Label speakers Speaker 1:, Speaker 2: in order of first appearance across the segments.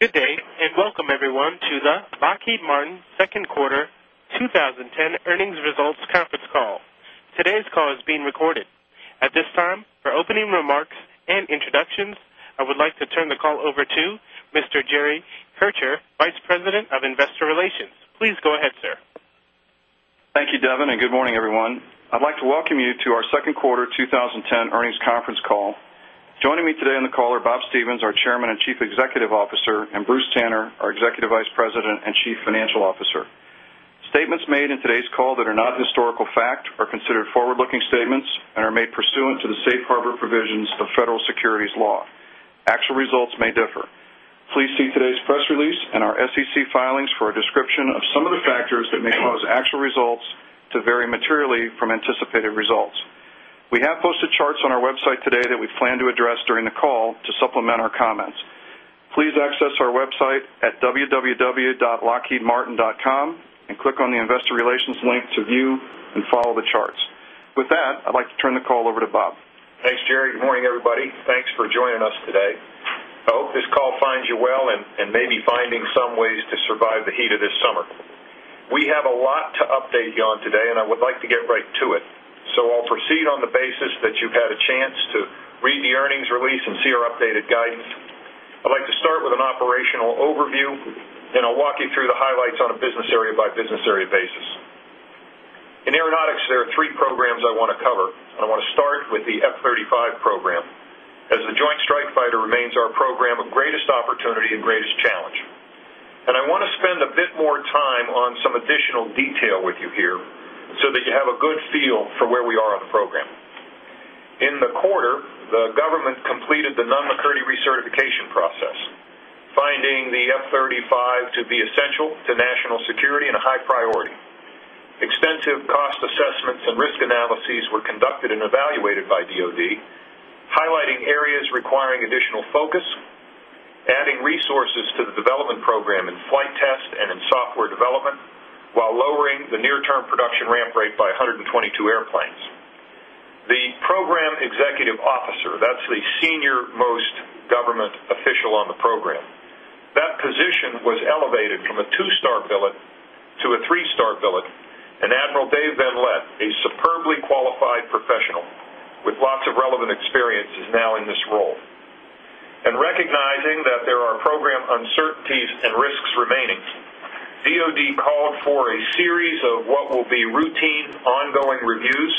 Speaker 1: Good day, and welcome everyone to the Lockheed Martin Second Quarter 2010 Earnings Results Conference Call. Today's call is being recorded. At this time, for opening remarks and introductions, I would like to turn the call over to Mr. Jerry Hercher, Vice President of Investor Relations. Please go ahead, sir.
Speaker 2: Thank you, Devin, and good morning, everyone. I'd like to welcome you to our Q2 2010 earnings conference call. Joining me today on the call are Bob Stephens, our Chairman and Chief Executive Officer And Bruce Tanner, our Executive Vice President and Chief Financial Officer. Statements made in today's call that are not historical fact are considered forward looking statements and are made pursuant to the Safe Harbor provisions of federal securities law. Actual results may differ. Please see today's press release and our SEC filings for a description of some of the factors that may cause actual results to vary materially from anticipated results. We have posted charts on our website today that we plan to address during the call to supplement our comments. Please access our website atwww.lockheedmartin.com and click on the Investor Relations link to view and follow the charts. With that, I'd like to turn the call over to Bob. Thanks, Jerry. Good morning, everybody. Thanks for joining us today. I hope this call finds you well and maybe finding some ways to survive the heat of this summer. We have a lot to update you on today and I would like to get right to it. So I'll proceed on the basis that you've had a chance to Read the earnings release and see our updated guidance. I'd like to start with an operational overview and I'll walk you through the highlights on a business area by business area basis. In aeronautics, there are 3 programs I want to cover. I want to start with the F-thirty 5 program as the Joint Strike Fighter remains our program Greatest opportunity and greatest challenge. And I want to spend a bit more time on some additional detail with you here, so that you have a good feel for where we are on the program. In the quarter, the government completed the non McCurdy recertification process, Finding the F-thirty 5 to be essential to national security and high priority. Extensive cost assessments and risk Analyses were conducted and evaluated by DoD, highlighting areas requiring additional focus, adding resources to the development program in flight test and in software development, while lowering the near term production ramp rate by 122 airplanes. The program executive officer, that's the senior most government official on the program, That position was elevated from a 2 star billet to a 3 star billet and Admiral Dave Van Lett, a superbly qualified professional with lots of relevant experiences now in this role. And recognizing that there are program uncertainties and risks remaining, DoD called for a series of what will be routine ongoing reviews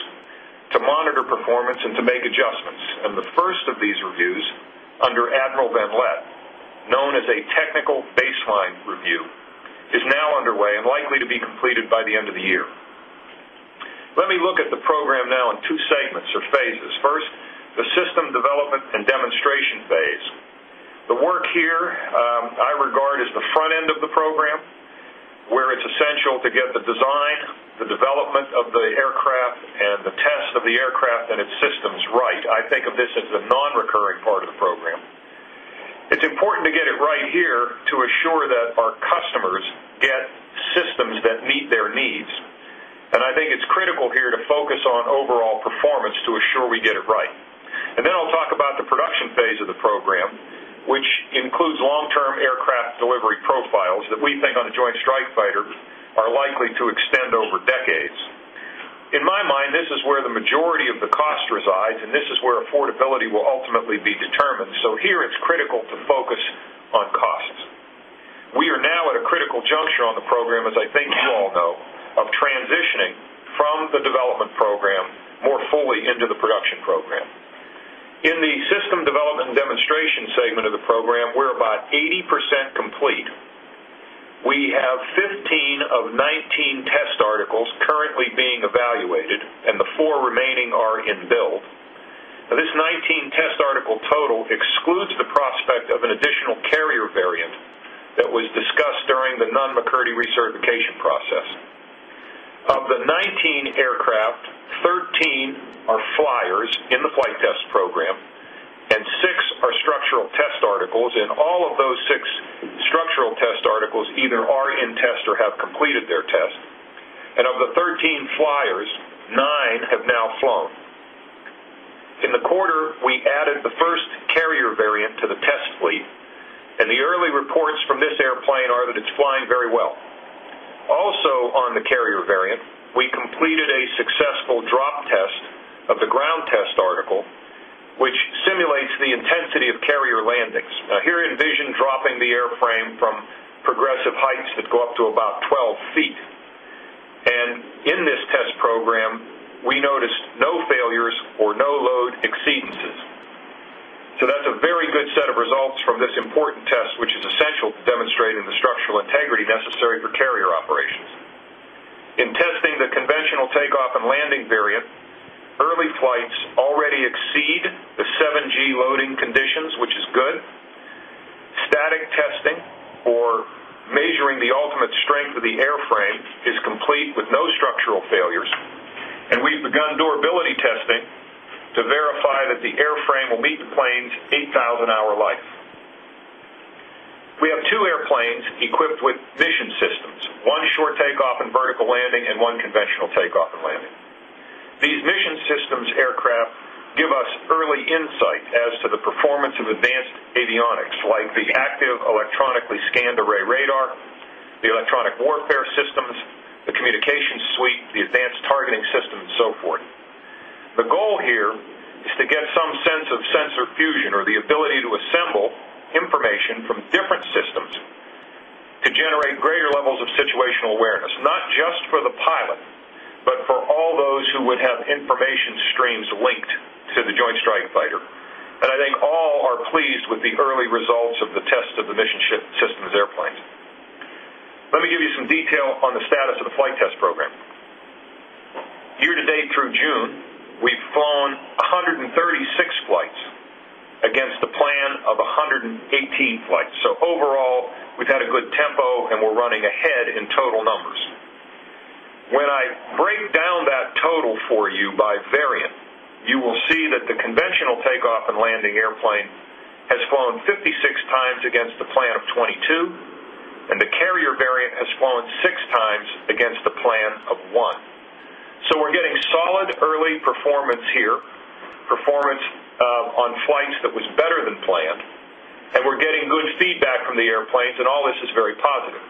Speaker 2: to monitor performance and to make adjustments And the first of these reviews under Admiral Benoit known as a technical baseline review is now underway and likely to be completed by the end of the year. Let me look at the program now in 2 segments or phases. First, the system development and demonstration phase. The work here, I regard as the front end of the program where it's essential to get the design, the development of the aircraft And the test of the aircraft and its systems right, I think of this as the non recurring part of the program. It's important to get it right here to assure that our customers get systems that meet their needs. And I think it's critical here to focus on overall performance to assure we get it right. And then I'll talk about the production phase of the program, which includes long term aircraft delivery profiles that we think on the Joint Strike Fighter are likely to extend over decades. In my mind, this is where the majority of the cost resides and this is where affordability will ultimately be determined. So here it's Critical to focus on costs. We are now at a critical juncture on the program, as I think you all know, of transitioning from the development program more fully into the production program. In the system development and demonstration segment of the program, we're about 80% complete. We have 15 of 19 test articles currently being evaluated and the 4 remaining are in build. This 19 test article total excludes the prospect of an additional carrier variant that was discussed during the non McCurdy recertification process. Of the 19 aircraft, 13 are flyers in the flight test program and 6 Our structural test articles and all of those 6 structural test articles either are in test or have completed their test. And of the 13 flyers, 9 have now flown. In the quarter, we added the 1st carrier variant to the test fleet and the early reports from this airplane are that it's flying very well. Also on the carrier variant, we completed a successful drop test of the ground test article, which simulates the intensity of carrier landings. Here in Vision dropping the airframe from Progressive heights that go up to about 12 feet. And in this test program, we noticed no failures or no load exceedances. So that's a very good set of results from this important test, which is essential to demonstrating the structural integrity necessary for carrier operations. In testing the conventional takeoff and landing period, early flights already exceed the 7 gs loading conditions, which is good. Static testing or measuring the ultimate strength of the airframe is complete with no structural failures And we've begun durability testing to verify that the airframe will meet the plane's 8000 hour life. We have 2 airplanes equipped with mission systems, 1 short takeoff and vertical landing and 1 conventional takeoff and landing. These mission systems aircraft give us early insight as to the performance of advanced avionics like the active electronically scanned array radar, The electronic warfare systems, the communications suite, the advanced targeting system and so forth. The goal here is to get some sense of sensor fusion or the ability to assemble information from different systems to generate greater levels of situational awareness, not Just for the pilot, but for all those who would have information streams linked to the Joint Strike Fighter. And I think all are pleased Let me give you some detail on the status of the flight test program. Year to date through June, we've flown 136 flights against the plan of 118 flights. So overall, We've had a good tempo and we're running ahead in total numbers. When I break down that total for you by variant, You will see that the conventional takeoff and landing airplane has flown 56 times against the plan of 22 And the carrier variant has fallen 6 times against the plan of 1. So we're getting solid early performance here, Performance on flights that was better than planned and we're getting good feedback from the airplanes and all this is very positive.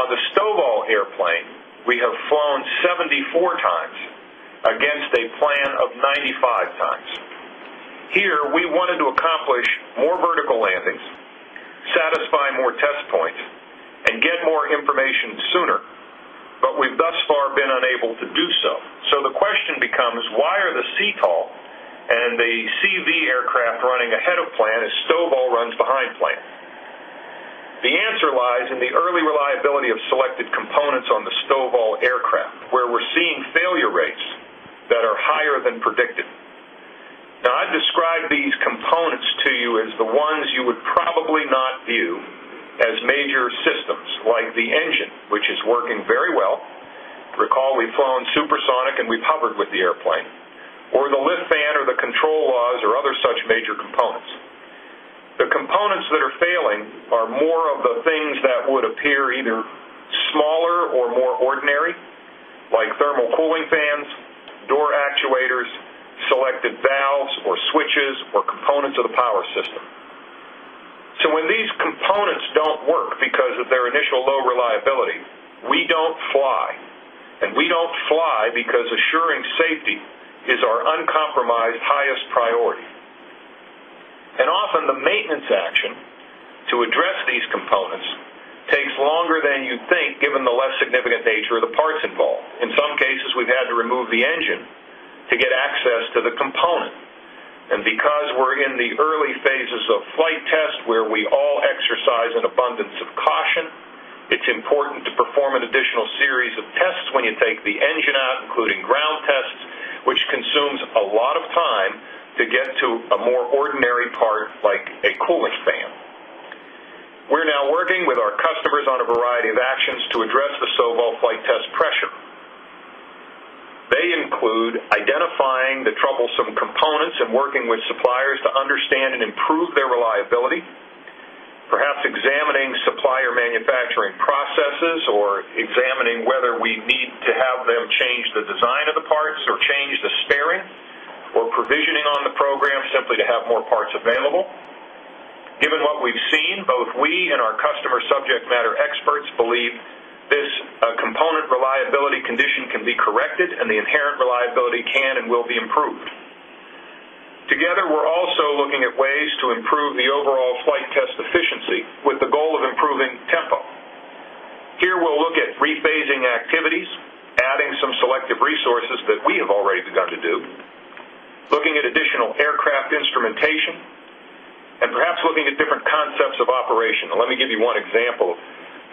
Speaker 2: On the Stovall airplane, we have flown 74 times against a plan of 95 times. Here, we wanted to accomplish more vertical landings, satisfy more test points and get more information sooner, But we've thus far been unable to do so. So the question becomes why are the CTOL and the CV aircraft running ahead of plan as The answer lies in the early reliability of selected components on the Stovall aircraft where we're seeing failure rates that are higher than predicted. Now I'd describe these components to you as the ones you would probably not view As major systems like the engine, which is working very well, recall we've flown supersonic and we've hovered with the airplane, or the lift fan or the control laws or other such major components. The components that are failing are more of the things that would appear either Smaller or more ordinary like thermal cooling fans, door actuators, selected valves or switches or components of the power So when these components don't work because of their initial low reliability, we don't fly And we don't fly because assuring safety is our uncompromised highest priority. And often the maintenance action to address these components takes longer than you think given the less significant nature of the parts involved. In some cases, we've had to remove the engine to get access to the component. And because we're in the early phases of flight test where we all an abundance of caution. It's important to perform an additional series of tests when you take the engine out, including ground tests, which consumes a lot of time to get to a more ordinary part like a cooling fan. We are now working with our customers on a variety of actions to address the SOVO flight test pressure. They include identifying the troublesome components and working with suppliers to understand and improve their reliability, Perhaps examining supplier manufacturing processes or examining whether we need to have them change the design of the parts or change the sparing We're provisioning on the program simply to have more parts available. Given what we've seen, both we and our customer subject matter experts believe This component reliability condition can be corrected and the inherent reliability can and will be improved. Together, we're also looking at ways to improve the overall flight test efficiency with the goal of improving tempo. Here, we'll look at rephasing activities, Adding some selective resources that we have already begun to do, looking at additional aircraft instrumentation And perhaps looking at different concepts of operation, let me give you one example,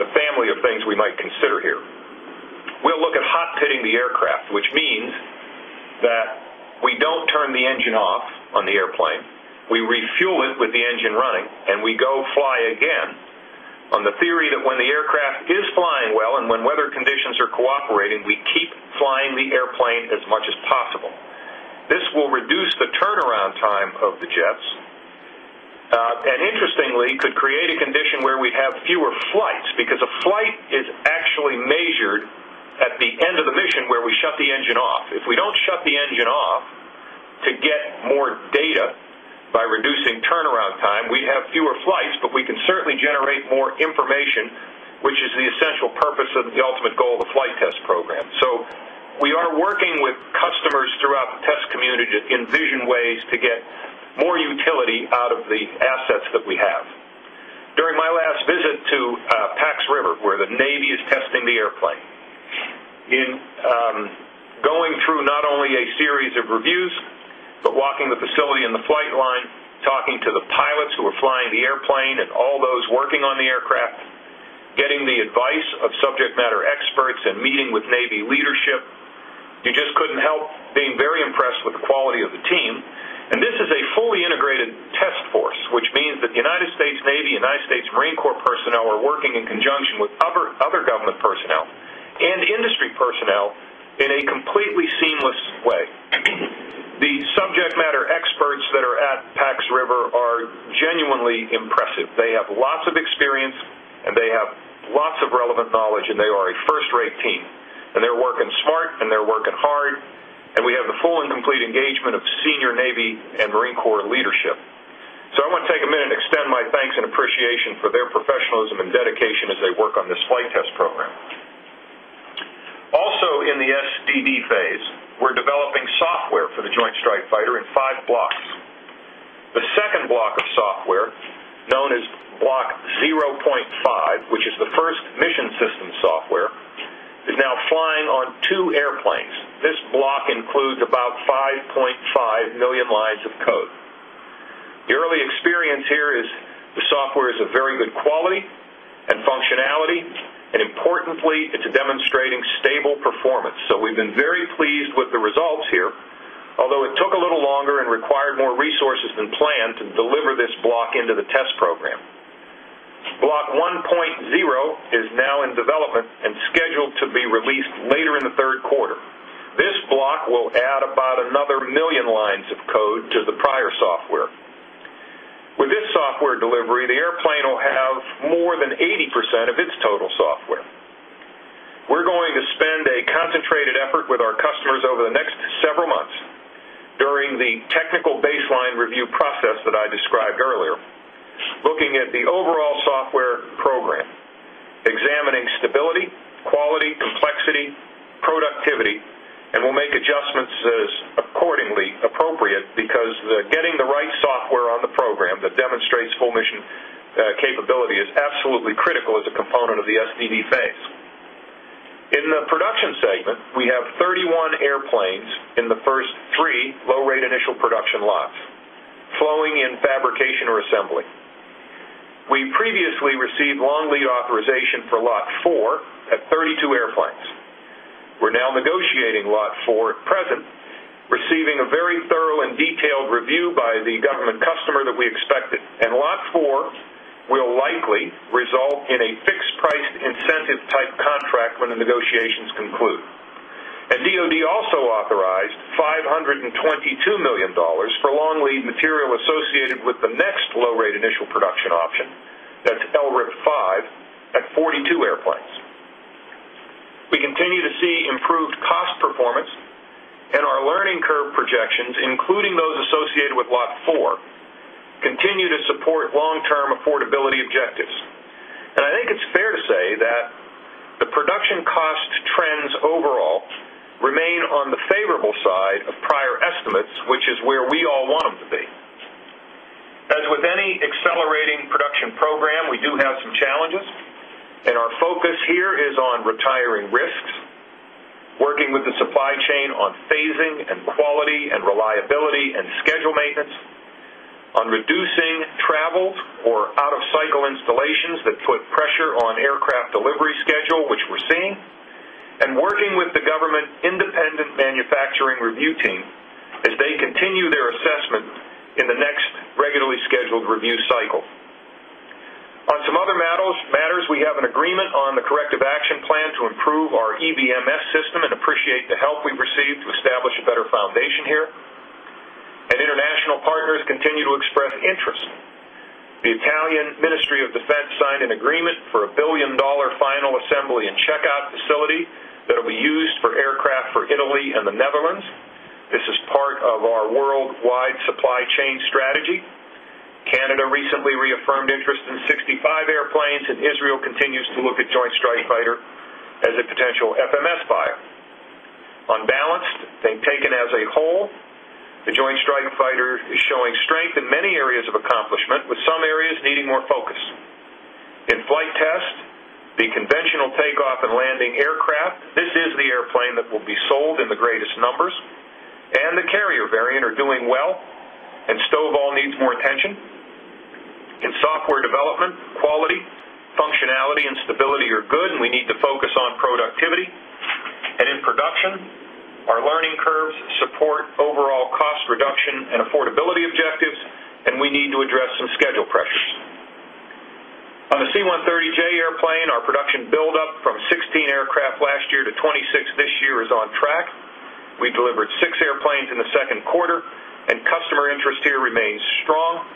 Speaker 2: the family of things we might consider here. We'll look at hot pitting the aircraft, which means That we don't turn the engine off on the airplane. We refuel it with the engine running and we go fly again On the theory that when the aircraft is flying well and when weather conditions are cooperating, we keep flying the airplane as much as possible. This will reduce the turnaround time of the jets and interestingly could create a condition where we have fewer flights Because a flight is actually measured at the end of the vision where we shut the engine off. If we don't shut the engine off To get more data by reducing turnaround time, we have fewer flights, but we can certainly generate more information, which is the essential purpose of the ultimate goal of the flight test program. So we are working with customers throughout the test community to envision ways to get More utility out of the assets that we have. During my last visit to Pax River, where the Navy is testing the airplane, In going through not only a series of reviews, but walking the facility and the flight line, Talking to the pilots who are flying the airplane and all those working on the aircraft, getting the advice of subject matter experts and meeting with Navy leadership, You just couldn't help being very impressed with the quality of the team and this is a fully integrated test force, which means that the United States Navy and United States Marine Corps personnel are working In conjunction with other government personnel and industry personnel in a completely seamless way, the subject matter experts that are at Pax River are genuinely impressive. They have lots of experience and they have lots of relevant knowledge and they are a first rate team And they're working smart and they're working hard and we have the full and complete engagement of senior Navy and Marine Corps leadership. So I want to take a minute and extend my thanks and appreciation for their professionalism and dedication as they work on this flight test program. Also in the SDD phase, we're developing software for the Joint Strike Fighter in 5 blocks. The second block of software known as Block 0.5, which is the first mission system software, is now flying on 2 airplanes. This block includes about 5,500,000 lines of code. The early experience here is the software is of very good quality and functionality and importantly it's demonstrating stable performance. So we've been very pleased with the results here. Although it took a little longer and required more resources than planned to deliver this block into the test program. Block 1.0 is now in development and scheduled to be released later in Q3. This block will add about another 1,000,000 lines of code to the prior software. With this software delivery, the airplane will have more than 80% of its total software. We're going to spend a concentrated effort with our customers over the next Several months during the technical baseline review process that I described earlier, looking at the overall software program, examining stability, quality, complexity, productivity and we'll make adjustments accordingly appropriate Because getting the right software on the program that demonstrates full mission capability is absolutely critical as a component of the SDD phase. In the production segment, we have 31 airplanes in the first three low rate initial production lots flowing in fabrication or assembly. We previously received long lead authorization for Lot 4 at 32 airplanes. We're now negotiating Lot 4 at present, receiving a very thorough and detailed review by the government customer that we expected. And Lot 4 will likely result in a fixed price incentive type contract when the negotiations conclude. And DoD also authorized $522,000,000 for long lead material associated with the next low rate initial production option, that's LRIP 5 at 42 airplanes. We continue to see improved cost performance and our learning curve projections including those associated with Lot 4, continue to support long term affordability objectives.
Speaker 3: And I think it's fair
Speaker 2: to say that The production cost trends overall remain on the favorable side of prior estimates, which is where we all want them to be. As with any accelerating production program, we do have some challenges and our focus here is on retiring risks, Working with the supply chain on phasing and quality and reliability and schedule maintenance, on reducing travel for out of cycle installations that put pressure on aircraft delivery schedule, which we're seeing and working with the government independent manufacturing review team as they continue their assessment in the next regularly scheduled review cycle. On some other Matters we have an agreement on the corrective action plan to improve our EBMS system and appreciate the help we've received to establish a better foundation here And international partners continue to express interest. The Italian Ministry of Defense signed an agreement For a $1,000,000,000 final assembly and checkout facility that will be used for aircraft for Italy and the Netherlands. This is part of our worldwide supply chain Strategy, Canada recently reaffirmed interest in 65 airplanes and Israel continues to look at Joint Strike Fighter as a potential FMS buyer. Unbalanced and taken as a whole, the Joint Strike Fighter is showing strength in many areas of accomplishment with some areas needing more focus. In Flight Test, the conventional takeoff and landing aircraft, this is the airplane that will be sold in the greatest numbers and the carrier variant are doing well and Stovall needs more attention. In software development, quality, Functionality and stability are good and we need to focus on productivity. And in production, our learning curves support overall cost reduction And affordability objectives and we need to address some schedule pressures. On the C-130J airplane, our production buildup From 16 aircraft last year to 26 this year is on track. We delivered 6 airplanes in the 2nd quarter and customer interest here remains strong.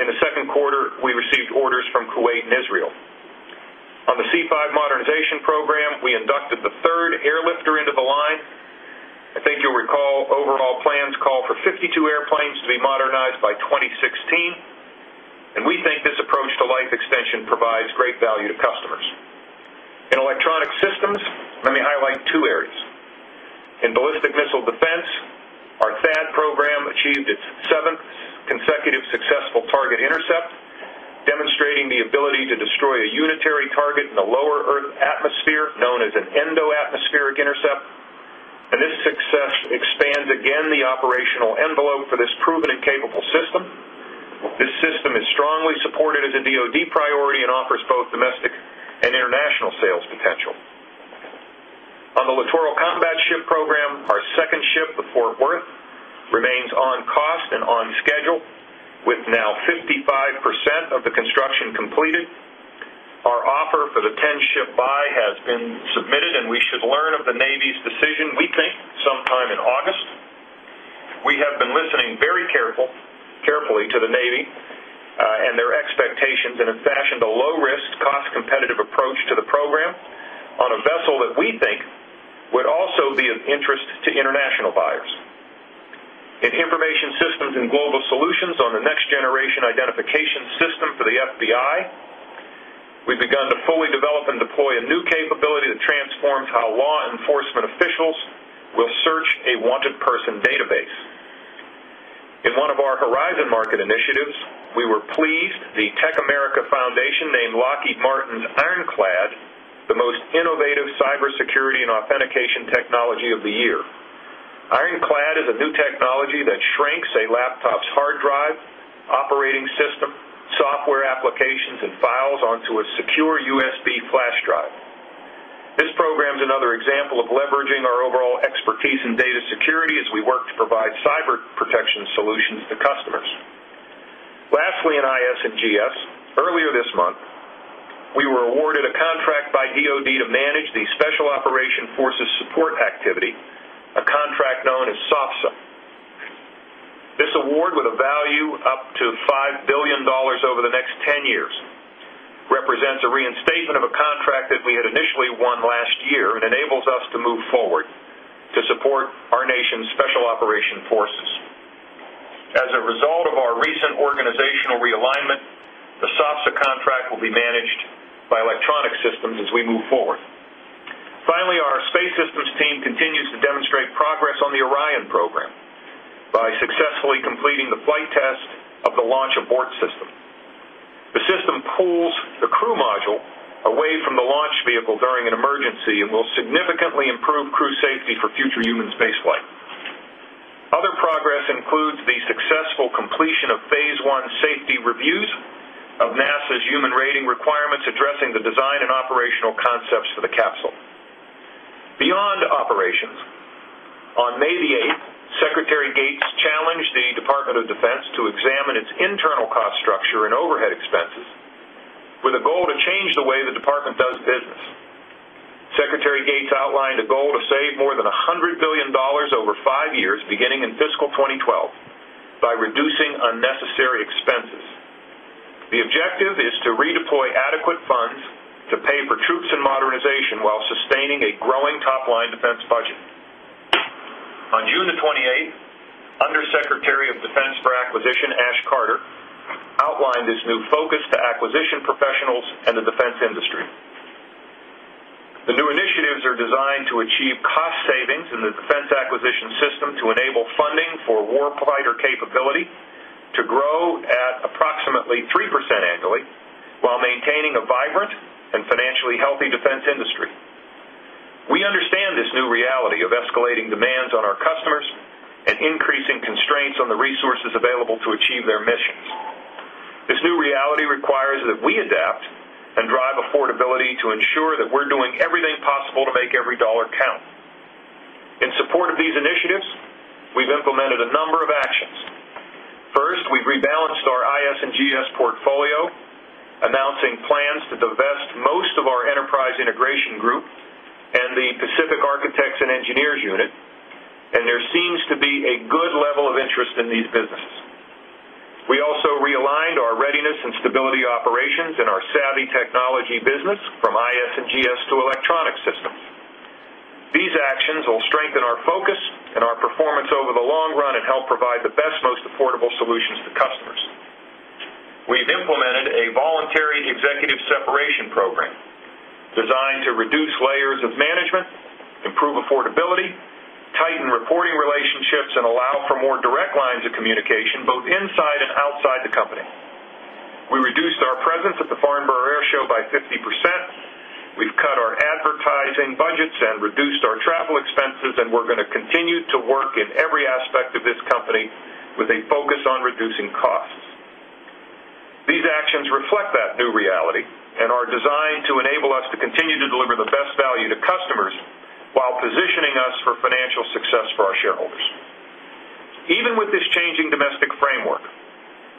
Speaker 2: In the Q2, we received orders from Kuwait and Israel. On the C5 modernization program, we inducted the 3rd airlifter into the line. I think you'll recall overall plans call for 52 airplanes to be modernized by 2016 and we think this approach to life extension provides great value to customers. In electronic systems, let me highlight 2 areas. In ballistic missile defense, our THAAD program achieved its 7th consecutive successful target intercept demonstrating the ability to destroy a unitary target in the lower earth atmosphere known as an endoatmospheric intercept and this success expands again the operational envelope for this proven and capable system. This system is strongly supported as a DoD priority and offers both domestic and international sales potential. On the Littoral Combat Ship program, our 2nd ship at Fort Worth remains on cost and on schedule With now 55% of the construction completed, our offer for the 10 ship buy has been Submitted and we should learn of the Navy's decision we think sometime in August. We have been listening very careful, carefully to the Navy and their expectations and have fashioned a low risk cost competitive approach to the program on a vessel that we think would also be of interest to international buyers. In Information Systems and Global Solutions on the next generation identification system for the FBI, We've begun to fully develop and deploy a new capability that transforms how law enforcement officials will search a wanted person database. In one of our Horizon market initiatives, we were pleased the Tech America Foundation named Lockheed Martin's Ironclad The most innovative cybersecurity and authentication technology of the year. IronClad is a new technology that shrinks a laptop's hard drive, Operating system, software applications and files onto a secure USB flash drive. This program is another example of leveraging our overall And we'll take our first question from the line of Chris. Please go ahead. Thank you, Chris. Thank you, Chris.
Speaker 3: Thank you, Chris. Thank you, Chris. Thank you, Chris.
Speaker 4: Thank you, Chris. Thank you, Chris. Thank you, Chris.
Speaker 2: Thank you, Chris. Thank you, Chris. Thank you, Chris. Good morning, Chris.
Speaker 3: Good morning,
Speaker 2: We were awarded a contract by DoD to manage the Special Operation Forces support activity, a contract known as SOPSA. This award with a value up to $5,000,000,000 over the next 10 years represents a reinstatement of a contract that we had initially won last year and enables us to move forward to support our nation's special operation forces. As a result of our recent organizational realignment, The SAVSA contract will be managed by electronic systems as we move forward. Finally, our space systems Team continues to demonstrate progress on the Orion program by successfully completing the flight test of the launch abort system. The system pulls the crew module away from the launch vehicle during an emergency and will significantly improve crew safety for future human spaceflight. Other progress includes the successful completion of Phase 1 safety reviews of NASA's human rating requirements Addressing the design and operational concepts for the capsule. Beyond operations, on May 8, Secretary Gates challenged the Department of Defense to examine its internal cost structure and overhead expenses with a goal to change the way the department does business. Secretary Gates outlined a goal to save more than $100,000,000,000 over 5 years beginning in fiscal 2012 by reducing unnecessary expenses. The objective is to redeploy adequate funds to pay for troops and modernization while sustaining a growing Top line defense budget. On June 28, Under Secretary of Defense for Acquisition, Ash Carter, outlined this new focus to acquisition professionals and the defense industry. The new initiatives are designed to achieve cost Savings in the defense acquisition system to enable funding for warfighter capability to grow at approximately 3% annually, while maintaining a vibrant and financially healthy defense industry. We understand this new reality of escalating demands on our customers and increasing constraints on the resources available to achieve their missions. This new reality requires that we adapt and drive affordability to ensure that we're doing everything possible to make every dollar count. In support of these initiatives, We've implemented a number of actions. First, we've rebalanced our IS and GS portfolio, announcing plans to divest Most of our Enterprise Integration Group and the Pacific Architects and Engineers Unit and there seems to be a good level of interest in these businesses. We also realigned our readiness and stability operations in our Savvy Technology business from IS and GS to electronic systems. These actions will strengthen our focus and our performance over the long run and help provide the best most affordable solutions to customers. We have implemented a voluntary executive separation program designed to reduce layers of management, improve affordability, tighten reporting relationships and allow for more direct lines of communication both inside and outside the company. We reduced our presence at the Farnborough Air Show by 50 We've cut our advertising budgets and reduced our travel expenses and we're going to continue to work in every aspect of this company with a focus on reducing costs. These actions reflect that new reality and are designed to enable us to continue to deliver the best value to customers while positioning us for financial success for our shareholders. Even with this changing domestic framework,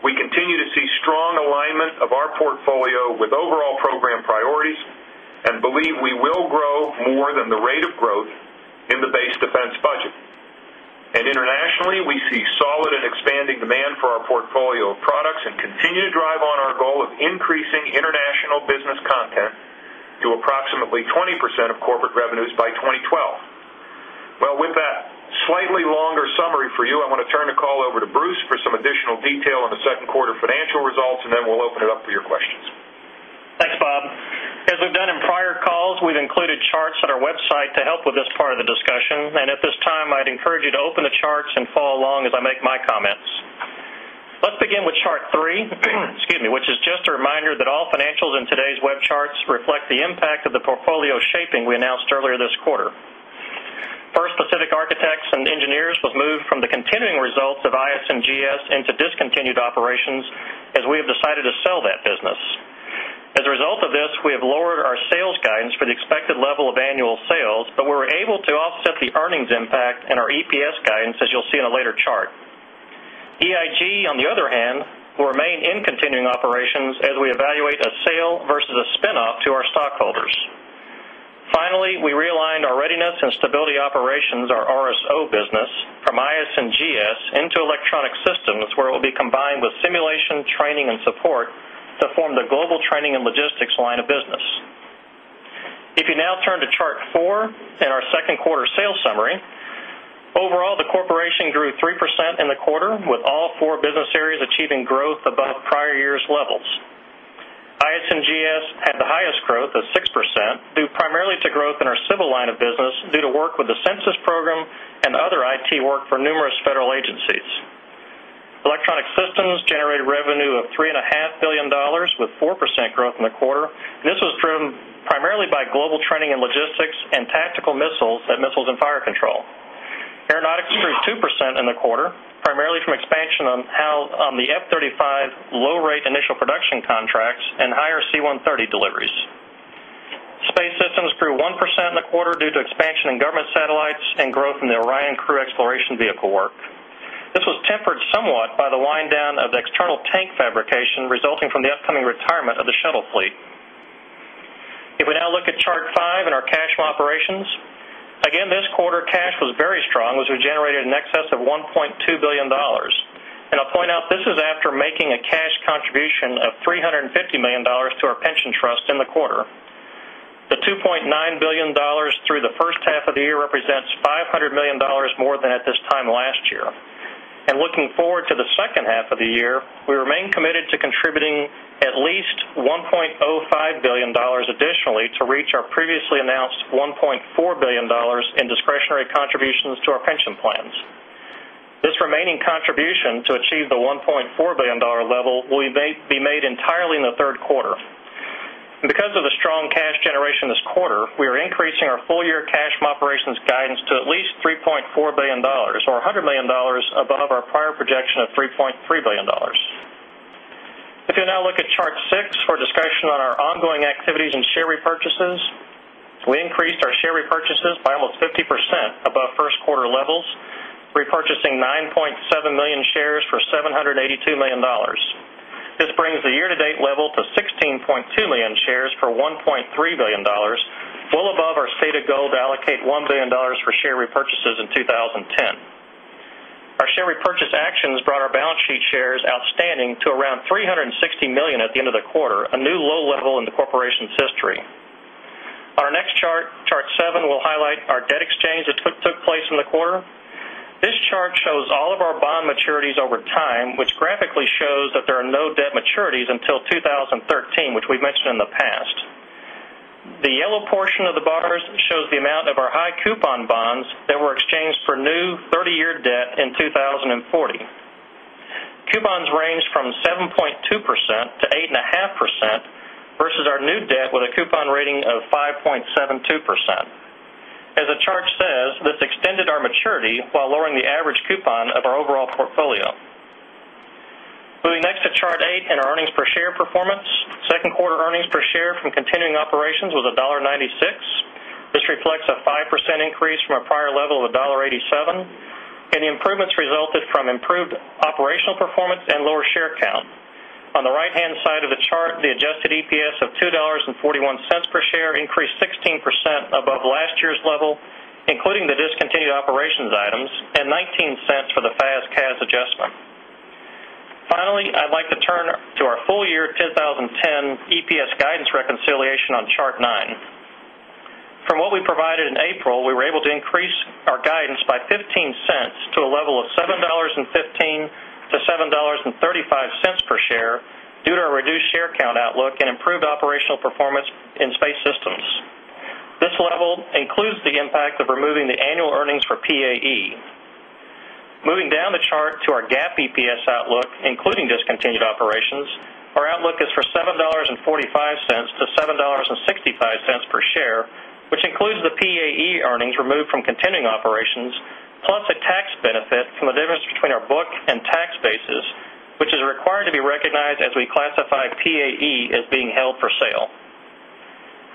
Speaker 2: We continue to see strong alignment of our portfolio with overall program priorities and believe we will grow more than the rate of growth in the base defense budget. And internationally, we see solid and expanding demand for our portfolio of products and Well, with that slightly longer summary for you, I want to turn the call over to Bruce for some additional detail on the Q2 financial results and then we'll open it up for your questions.
Speaker 3: Thanks, Bob. As we've done in prior calls, we've included charts on our website to help with this part of the discussion. And at this time, I'd encourage you to open Let's begin with Chart 3, which is just a reminder that all financials in today's web charts reflect the impact of portfolio shaping we announced earlier this quarter. First, Pacific Architects and Engineers was moved from the continuing results of IS and GS into discontinued operations as we have decided to sell that business. As a result of this, we have lowered our sales guidance for the expected level of annual sales, but we were able to offset the earnings impact and our EPS guidance as you'll see in a later chart. EIG, on the other hand, will remain in continuing operations as we evaluate a sale versus a spin off to our stockholders. Finally, we realigned our Readiness and Stability operations, our RSO business, from IS S and GS into electronic systems where it will be combined with simulation, training and support to form the global training and logistics line of business. If you now turn to Chart 4 and our 2nd quarter sales summary, overall, the corporation grew 3% in the quarter with all four business areas growth above prior year's levels. IS and GS had the highest growth of 6% due primarily to growth in our civil line of business due to work with the census program and other IT work for numerous federal agencies. Electronic Systems generated revenue of 3 point 5 $1,000,000,000 with 4% growth in the quarter. This was driven primarily by global training and logistics and tactical missiles at Missiles and Fire Control. Aeronautics grew 2% in the quarter, primarily from expansion on how on the F-thirty five low rate initial production contracts and higher C-one hundred and thirty deliveries. Space Systems grew 1% in the quarter due to expansion in government satellites and growth in the Orion crew exploration vehicle work. This was tempered somewhat by the wind down of the external tank fabrication resulting from the upcoming retirement of the shuttle fleet. If we now look at Chart 5 and our cash from operations, again this quarter cash was very strong as we generated in excess of $1,200,000,000 And I'll point out this is after making a cash contribution of $350,000,000 to our pension trust in the quarter. The $2,900,000,000 through the first half of the year represents $500,000,000 more than at this time last year. And looking forward to the second half of the year, we remain committed to contributing at least $1,050,000,000 additionally to reach our previously announced $1,400,000,000 in discretionary contributions to our pension plans. This remaining contribution to achieve the $1,400,000,000 level will be made entirely in the Q3. Because of the strong cash generation this quarter, we are increasing our full year cash from operations guidance to at least $3,400,000,000 or $100,000,000 above our prior projection of $3,300,000,000 If you now look at Chart 6 For a discussion on our ongoing activities and share repurchases, we increased our share repurchases by almost 50% above 1st quarter levels, repurchasing 9,700,000 shares for $782,000,000 This brings the year to date level to 16,200,000 shares for $1,300,000,000 well above our stated goal to allocate $1,000,000,000 for share repurchases in 20 standing to around $360,000,000 at the end of the quarter, a new low level in the corporation's history. Our next chart, Chart 7 will highlight our debt exchange that took place in the quarter. This chart shows all of our bond maturities over time, which graphically Shows that there are no debt maturities until 2013, which we've mentioned in the past. The yellow portion of the bars shows the amount of our high coupon bonds that were exchanged for new 30 year debt in 2,040. Coupons ranged from 7.2% to 8.5% versus our new debt with a coupon rating of 5.72%. As the chart says, this extended our maturity while lowering the average coupon of overall portfolio. Moving next to Chart 8 and our earnings per share performance. 2nd quarter earnings per share from continuing operations was 1.96 This reflects a 5% increase from our prior level of $1.87 and the improvements resulted from improved operational performance and lower share count. On the right hand side of the chart, the adjusted EPS of $2.41 per share increased 16% above last year's level, including the discontinued operations items and $0.19 for the FASCAS adjustment. Finally, I'd like to turn to our full year 2010 EPS guidance reconciliation on Chart 9. From what we provided in April, we were able to increase Our guidance by $0.15 to a level of $7.15 to $7.35 per share due to our reduced share count outlook and improved operational performance in Space Systems. This level includes the impact of removing the annual earnings for PAE. Moving down the chart to our GAAP EPS outlook, including discontinued operations, our outlook is for $7.45 to 7 point $0.65 per share, which includes the PAE earnings removed from continuing operations, plus a tax benefit from the difference between our book and tax basis, which is required to be recognized as we classify PAE as being held for sale.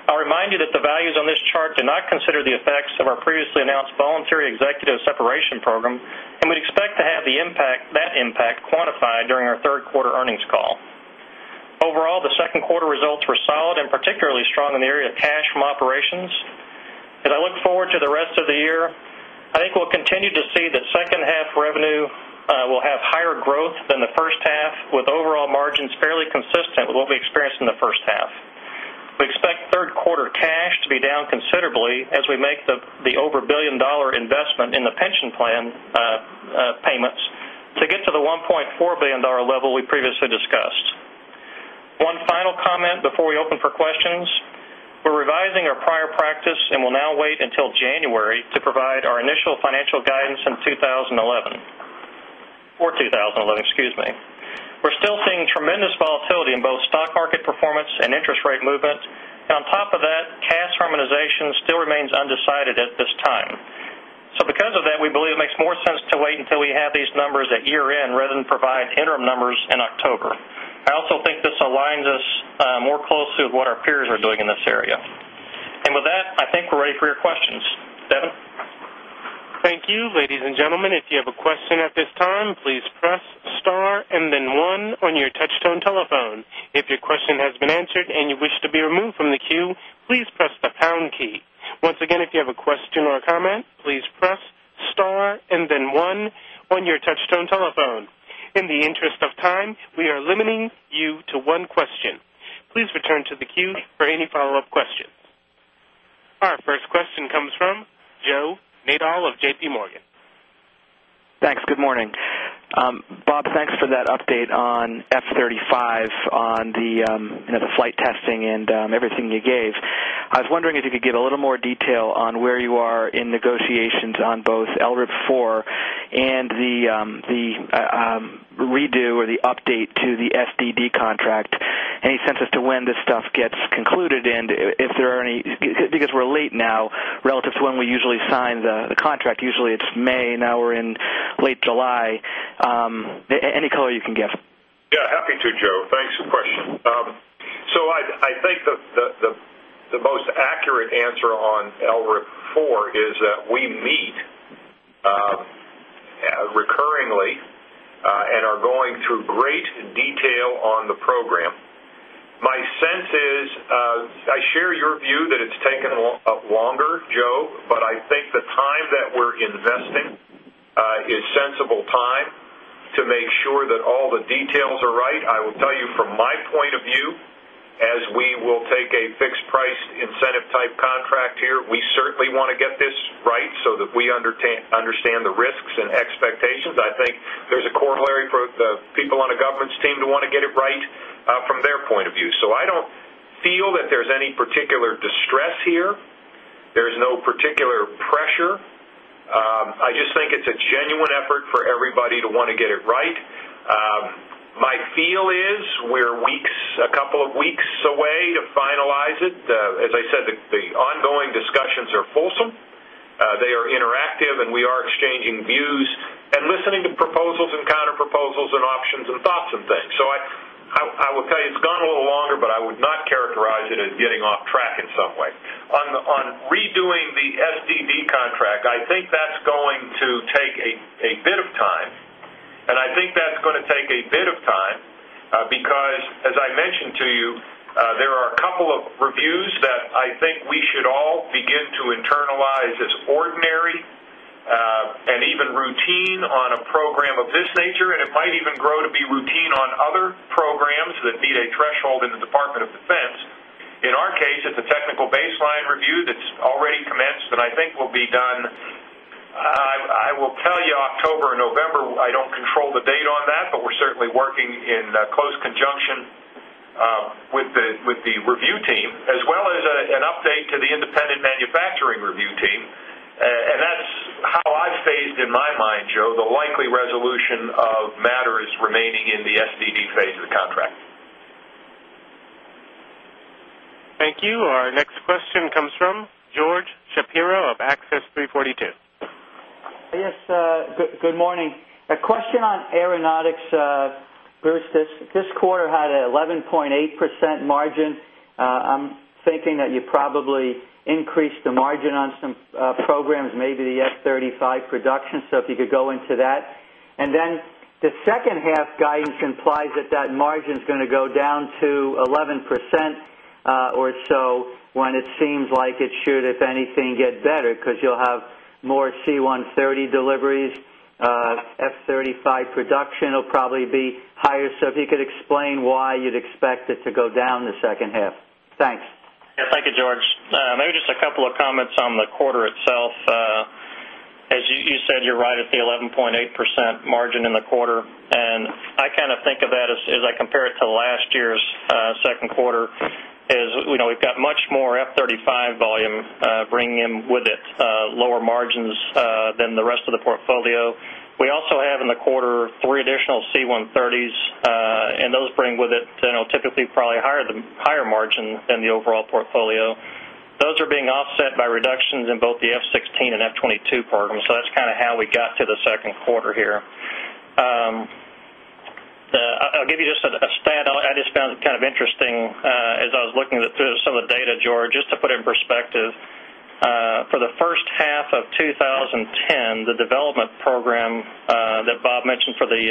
Speaker 3: I'll remind you that the values on this chart do not consider the effects from our previously announced voluntary executive separation program and we expect to have the impact that impact quantified during our Q3 earnings call. Overall, the 2nd quarter results were solid and particularly strong in the area of cash from operations. As I look forward to the rest of the year, I think we'll continue to see that second half revenue will have higher growth than the first half with overall margins fairly consistent with what we experienced in the first half. We expect Q3 cash to be down considerably as we make the over $1,000,000,000 investment in the pension plan payments to get to the $1,400,000,000 level we previously discussed. One final comment before we open for questions. We are revising our prior practice and will now wait until January to provide our initial financial guidance in 2011 for 2011, excuse me. We're still seeing tremendous volatility in both stock market performance and interest rate movement. On top of that, Cash harmonization still remains undecided at this time. So because of that, we believe it makes more sense to wait until we have these numbers at year end rather than provide interim numbers in I also think this aligns us more closely with what our peers are doing in this area. And with that, I think we're ready for your questions. Devin?
Speaker 1: Please return to the queue for any follow-up questions. Our first question comes from Joe Naidal of JPMorgan.
Speaker 4: Thanks. Good morning. Bob, thanks for that update on F-thirty 5 on the flight testing and everything you gave. I was wondering if you could give a little more detail on where you are in negotiations on both LRIP IV and the Redo or the update to the SDD contract, any sense as to when this stuff gets concluded and if there are any because we're late now Relative to when we usually sign the contract, usually it's May, now we're in late July. Any color you can give?
Speaker 2: Yes, happy to, Joe. Thanks for the question. So I think the most accurate answer on LRIP IV is that we meet Recurringly and are going through great detail on the program. My sense is, I share your view that it's taken a lot longer, Joe, but I think the time that we're investing It's sensible time to make sure that all the details are right. I will tell you from my point of view As we will take a fixed price incentive type contract here, we certainly want to get this right so that we understand the risks and expectations. I think There is a corollary for the people on the government's team to want to get it right from their point of view. So I don't feel that there is any particular distress here. There is no particular pressure. I just think it's a genuine effort for everybody to want to get it right. My feel is we are weeks a couple of weeks away to finalize it. As I said, the ongoing discussions are fulsome. They are interactive and we are exchanging views and listening to proposals and counter proposals and options and thoughts and things. So I will tell you it's gone a little longer, but I would not characterize it as getting off track in some way. On redoing the DD contract, I think that's going to take a bit of time and I think that's going to take a bit of time Because as I mentioned to you, there are a couple of reviews that I think we should all begin to internalize as ordinary And even routine on a program of this nature and it might even grow to be routine on other programs that meet a threshold in the Department of Defense. In our case, it's a technical baseline review that's already commenced and I think will be done. I will tell you October November, I don't And that's how I've phased in my mind, Joe, the likely resolution of matters remaining in the SDD phase of the contract.
Speaker 1: Thank you. Our next question comes from George Shapiro of Axis 3.42.
Speaker 4: Yes, good morning. A question on Aeronautics, Bruce, this quarter had 11.8% margin. I'm thinking that you probably increased the margin on some programs, maybe the F-thirty five production. So if you could go into that. And then The second half guidance implies that that margin is going to go down to 11% or so When it seems like it should, if anything, get better because you'll have more C-one hundred and thirty deliveries, F-thirty five production will probably be Hi, so if you could explain why you'd expect it to go down in the second half? Thanks.
Speaker 3: Yes. Thank you, George. Maybe just a couple of comments on the quarter itself. As you said, you're right at the 11.8% margin in the quarter. And I kind of think of that as I compare it to last year's 2nd quarter, as we know, we've got much more F-thirty five volume bringing in with it lower margins than the rest of the portfolio. We also have in the quarter 3 additional C-130s, and those bring with it typically probably higher margin than the overall portfolio. Those are being offset by reductions in both the F-sixteen and F-twenty two, Permian. So that's kind of how we got to the 2nd quarter here. I'll give you just a stat. I just found it kind of interesting as I was looking through some of the data, George, just to put it in perspective. For the first half of twenty ten, the development program that Bob mentioned for the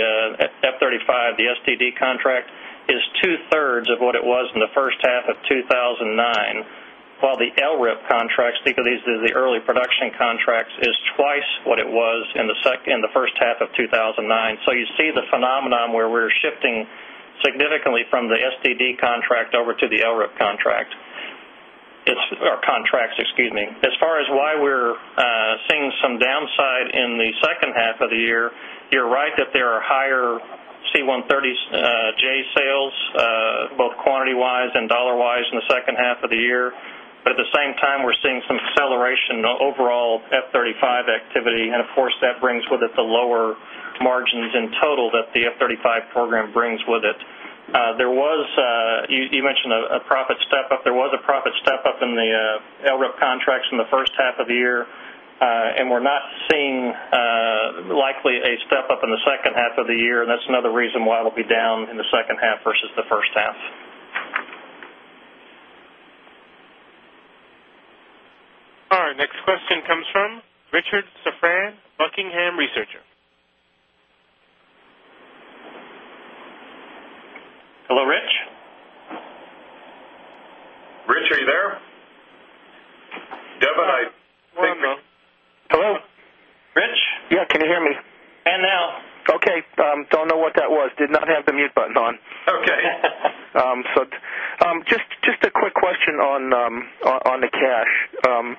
Speaker 3: F-thirty five, the STD contract It's 2 thirds of what it was in the first half of two thousand and nine, while the LRIP contracts, because these are the early production contracts, It's twice what it was in the second in the first half of two thousand and nine. So you see the phenomenon where we're shifting significantly from the STD contract over to the LRIP Contract, it's our contracts, excuse me. As far as why we're seeing some downside in the second half of the year, You're right that there are higher C-one hundred and thirty J sales, both quantity wise and dollar wise in the second half of the year. But at the same time, we're seeing some acceleration in overall F-thirty five activity and of course that brings with it the lower margins in total that the F-thirty five There was you mentioned a profit step up. There was a profit step up in the LRIP contracts in the first half of the year, And we're not seeing likely a step up in the second half of the year, and that's another reason why it will be down in the second half versus the first half.
Speaker 1: Our next question comes from Richard Safran, Buckingham Researcher.
Speaker 3: Hello, Rich?
Speaker 2: Rich, are you there? Hello. Rich? Yes. Can you hear me?
Speaker 3: And now. Okay. Don't know what that was. Did not have the mute button on.
Speaker 2: Okay.
Speaker 3: So just a quick question on the cash.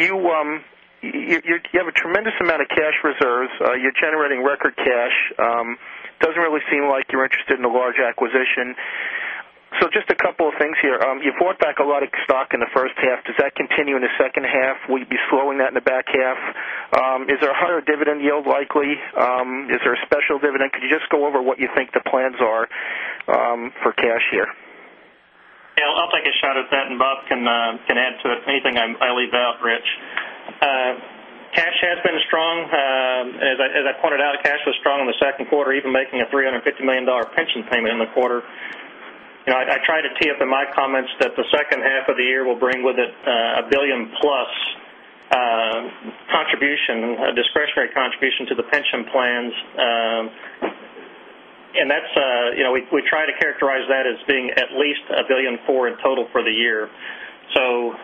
Speaker 3: You have a tremendous amount of cash reserves. You're generating record cash. It doesn't really seem like you're interested in a large acquisition. So just a couple of things here. You bought back a lot of stock in the first half. Does that continue in the second half? Will you be slowing that in the back half? Is there a higher dividend yield likely? Is there a special dividend? Could you just go over what you think the plans are for cash here? Yes. I'll take a shot at that and Bob can add to it, anything I leave out, Rich. Cash has been strong. As I pointed out, cash was The second quarter even making a $350,000,000 pension payment in the quarter. I tried to tee up in my comments that the second half of the year will bring with it $1,000,000,000 plus Contribution discretionary contribution to the pension plans And that's we try to characterize that as being at least $1,400,000,000 in total for the year. So,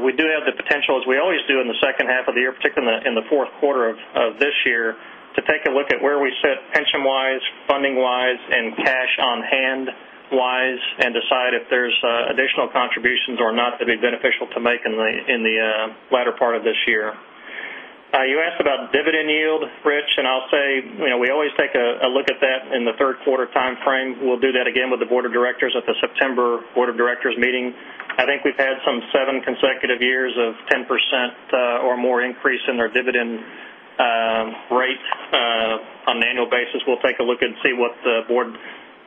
Speaker 3: we do have the potential as we always do in the Half of the year, particularly in the Q4 of this year to take a look at where we sit pension wise, funding wise and cash on hand wise and decide if there is additional contributions or not that would be beneficial to make in the latter part of this year. You asked about dividend yield, Rich, and I'll say we always take a look at that in the Q3 timeframe. We'll do that again with the Board of Directors at the September I think we've had some 7 consecutive years of 10% or more increase in our dividend Great. On an annual basis, we'll take a look and see what the Board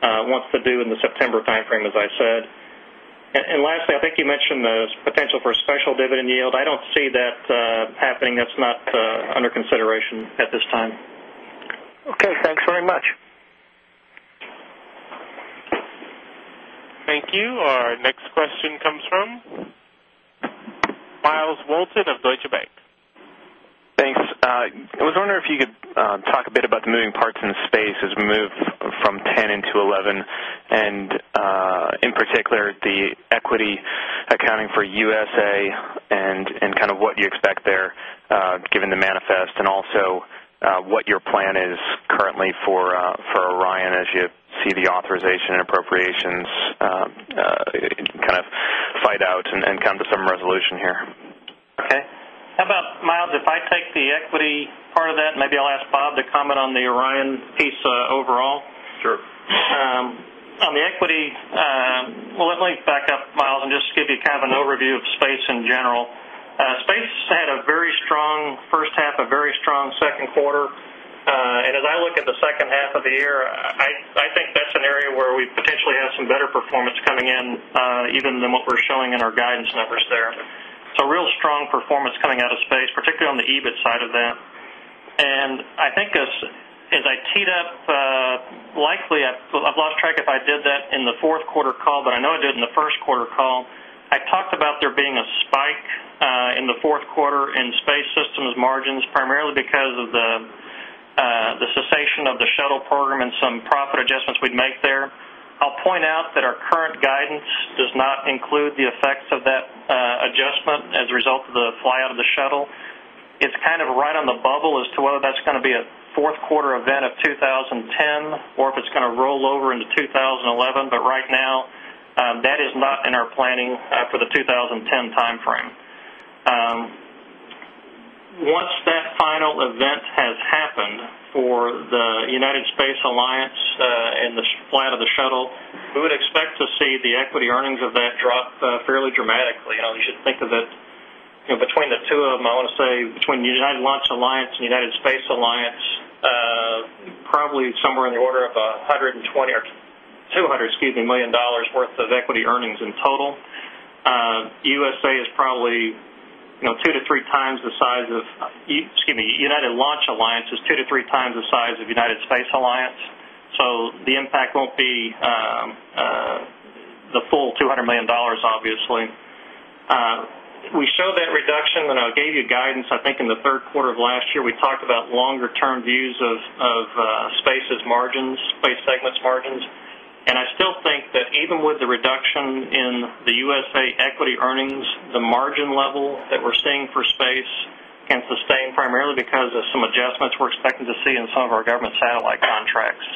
Speaker 3: wants to do in the September timeframe, as I said. And lastly, I think you mentioned the potential for a special dividend yield. I don't see that happening. That's not under consideration at this time. Okay. Thanks very much.
Speaker 1: Thank you. Our next question comes from Myles Walton of Deutsche Bank.
Speaker 3: Thanks. I was wondering if you could talk a bit about the moving parts in the space as we move From 10 into 11 and in particular the equity accounting for USA and kind of what you expect there Given the manifest and also what your plan is currently for Orion as you see the authorization and appropriations Kind of fight out and come to some resolution here. Okay. How about Myles, if I take the equity Part of that, maybe I'll ask Bob to comment on the Orion piece overall. Sure. On the equity, well, let me back up Miles, just to give you kind of an overview of Space in general, Space had a very strong first half, a very strong second quarter. And as I look at the second half of the year, I think that's an area where we potentially have some better performance coming in, even than what we're showing in our guidance numbers there. So, real strong performance coming out of space, particularly on the EBIT side of that. And I think as I teed up, likely I've lost track if I did that in the Q4 call, but I know I did in the Q1 call. I talked about there being a spike in the Q4 in Space Systems margins Primarily because of the cessation of the shuttle program and some profit adjustments we'd make there. I'll point out that our current guidance Does not include the effects of that adjustment as a result of the fly out of the shuttle. It's kind of right on the bubble as to whether that's going to be a 4th quarter event of 2010 or if it's going to roll over into 2011, but right now, that is not in our planning for the 2010 timeframe. Once that final event has happened for the United Space Alliance and the flight of the shuttle, We would expect to see the equity earnings of that drop fairly dramatically. You should think of it between the 2 of them, I want to say When United Launch Alliance and United Space Alliance,
Speaker 2: probably somewhere in the order of $120,000,000 or 2
Speaker 3: $200,000,000 worth of equity earnings in total. USA is probably 2 to 3 times the size of Excuse me, United Launch Alliance is 2x to 3x the size of United Space Alliance. So, the impact won't be The full $200,000,000 obviously. We showed that reduction and I gave you guidance I think in the Q3 of last year. We About longer term views of Space's margins, Space segment's margins. And I still think that even with the reduction in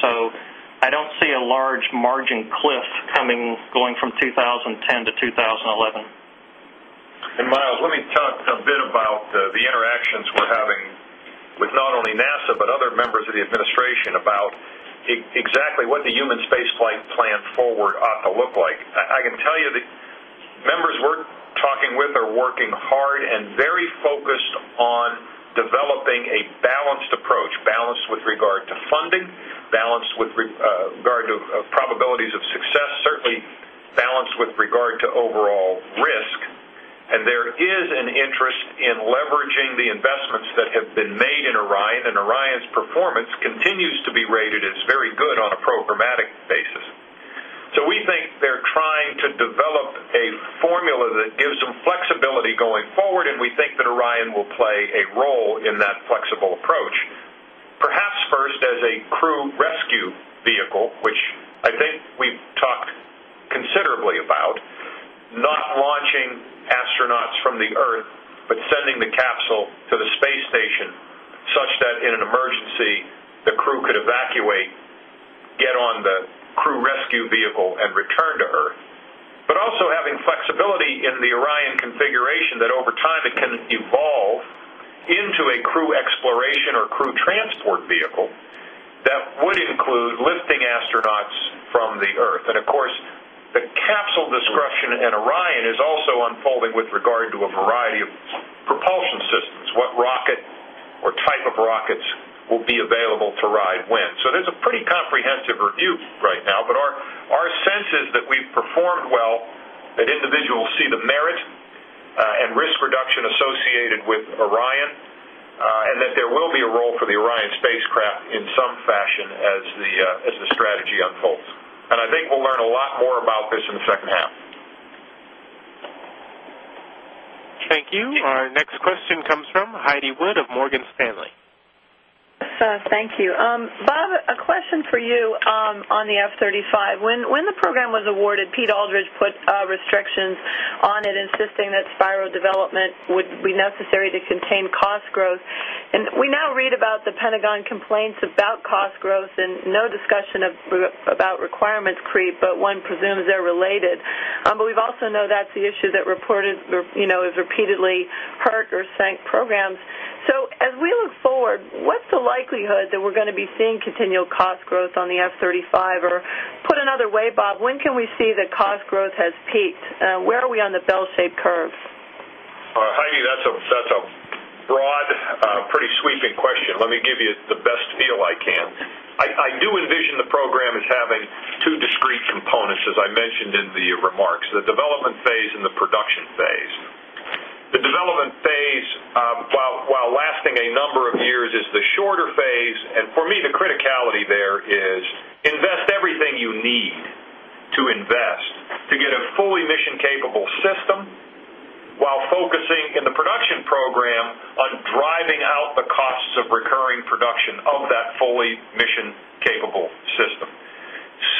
Speaker 3: So I don't see a large margin cliff coming going from 2010 to 2011.
Speaker 2: And Myles, let me talk a bit about the interactions we're having with not only NASA, but other members of the administration about Exactly what the human spaceflight plan forward ought to look like. I can tell you the members we're talking with are working hard and very focused On developing a balanced approach, balanced with regard to funding, balanced with regard to probabilities of success, certainly Balance with regard to overall risk and there is an interest in leveraging the investments that have been made in Orion and Orion's Performance continues to be rated as very good on a programmatic basis. So we think they're trying to develop A formula that gives them flexibility going forward and we think that Orion will play a role in that flexible approach, Perhaps first as a crew rescue vehicle, which I think we've talked considerably about, Not launching astronauts from the earth, but sending the capsule to the space station such that in an emergency, The crew could evacuate, get on the crew rescue vehicle and return to earth, but also having flexibility in the Orion configuration that over Time it can evolve into a crew exploration or crew transport vehicle that would include lifting astronauts From the earth and of course the capsule discretion in Orion is also unfolding with regard to a variety of propulsion systems, what rocket What type of rockets will be available to Ride Wind. So there's a pretty comprehensive review right now, but our sense is that we've performed well That individual will see the merit and risk reduction associated with Orion and that there will be a role for the Orion spacecraft in some fashion As the strategy unfolds. And I think we'll learn a lot more about this in the second half.
Speaker 1: Thank you. Our next question comes from Heidi Wood of Morgan Stanley.
Speaker 5: Thank you. Bob, a question for you on the F 35, when the program was awarded, Pete Aldridge put restrictions on it, insisting that spiro development would be necessary to contain cost growth. And we now read about the Pentagon complaints about cost growth and no discussion about requirements creep, but one presumes they're related. We also know that's the issue that reported has repeatedly hurt or sank programs. So as we look forward, What's the likelihood that we're going to be seeing continued cost growth on the F-thirty 5? Or put another way, Bob, when can we see that cost growth has peaked? Where are we on the bell shaped curve?
Speaker 2: Heidi, that's a broad, pretty sweeping question. Let me give you the best deal I can. I do envision the program as having 2 discrete components as I mentioned in the remarks, the development phase and the production phase. The development phase, while lasting a number of years is the shorter phase. And for me, the criticality there is Invest everything you need to invest to get a fully mission capable system, while focusing in the production program On driving out the costs of recurring production of that fully mission capable system.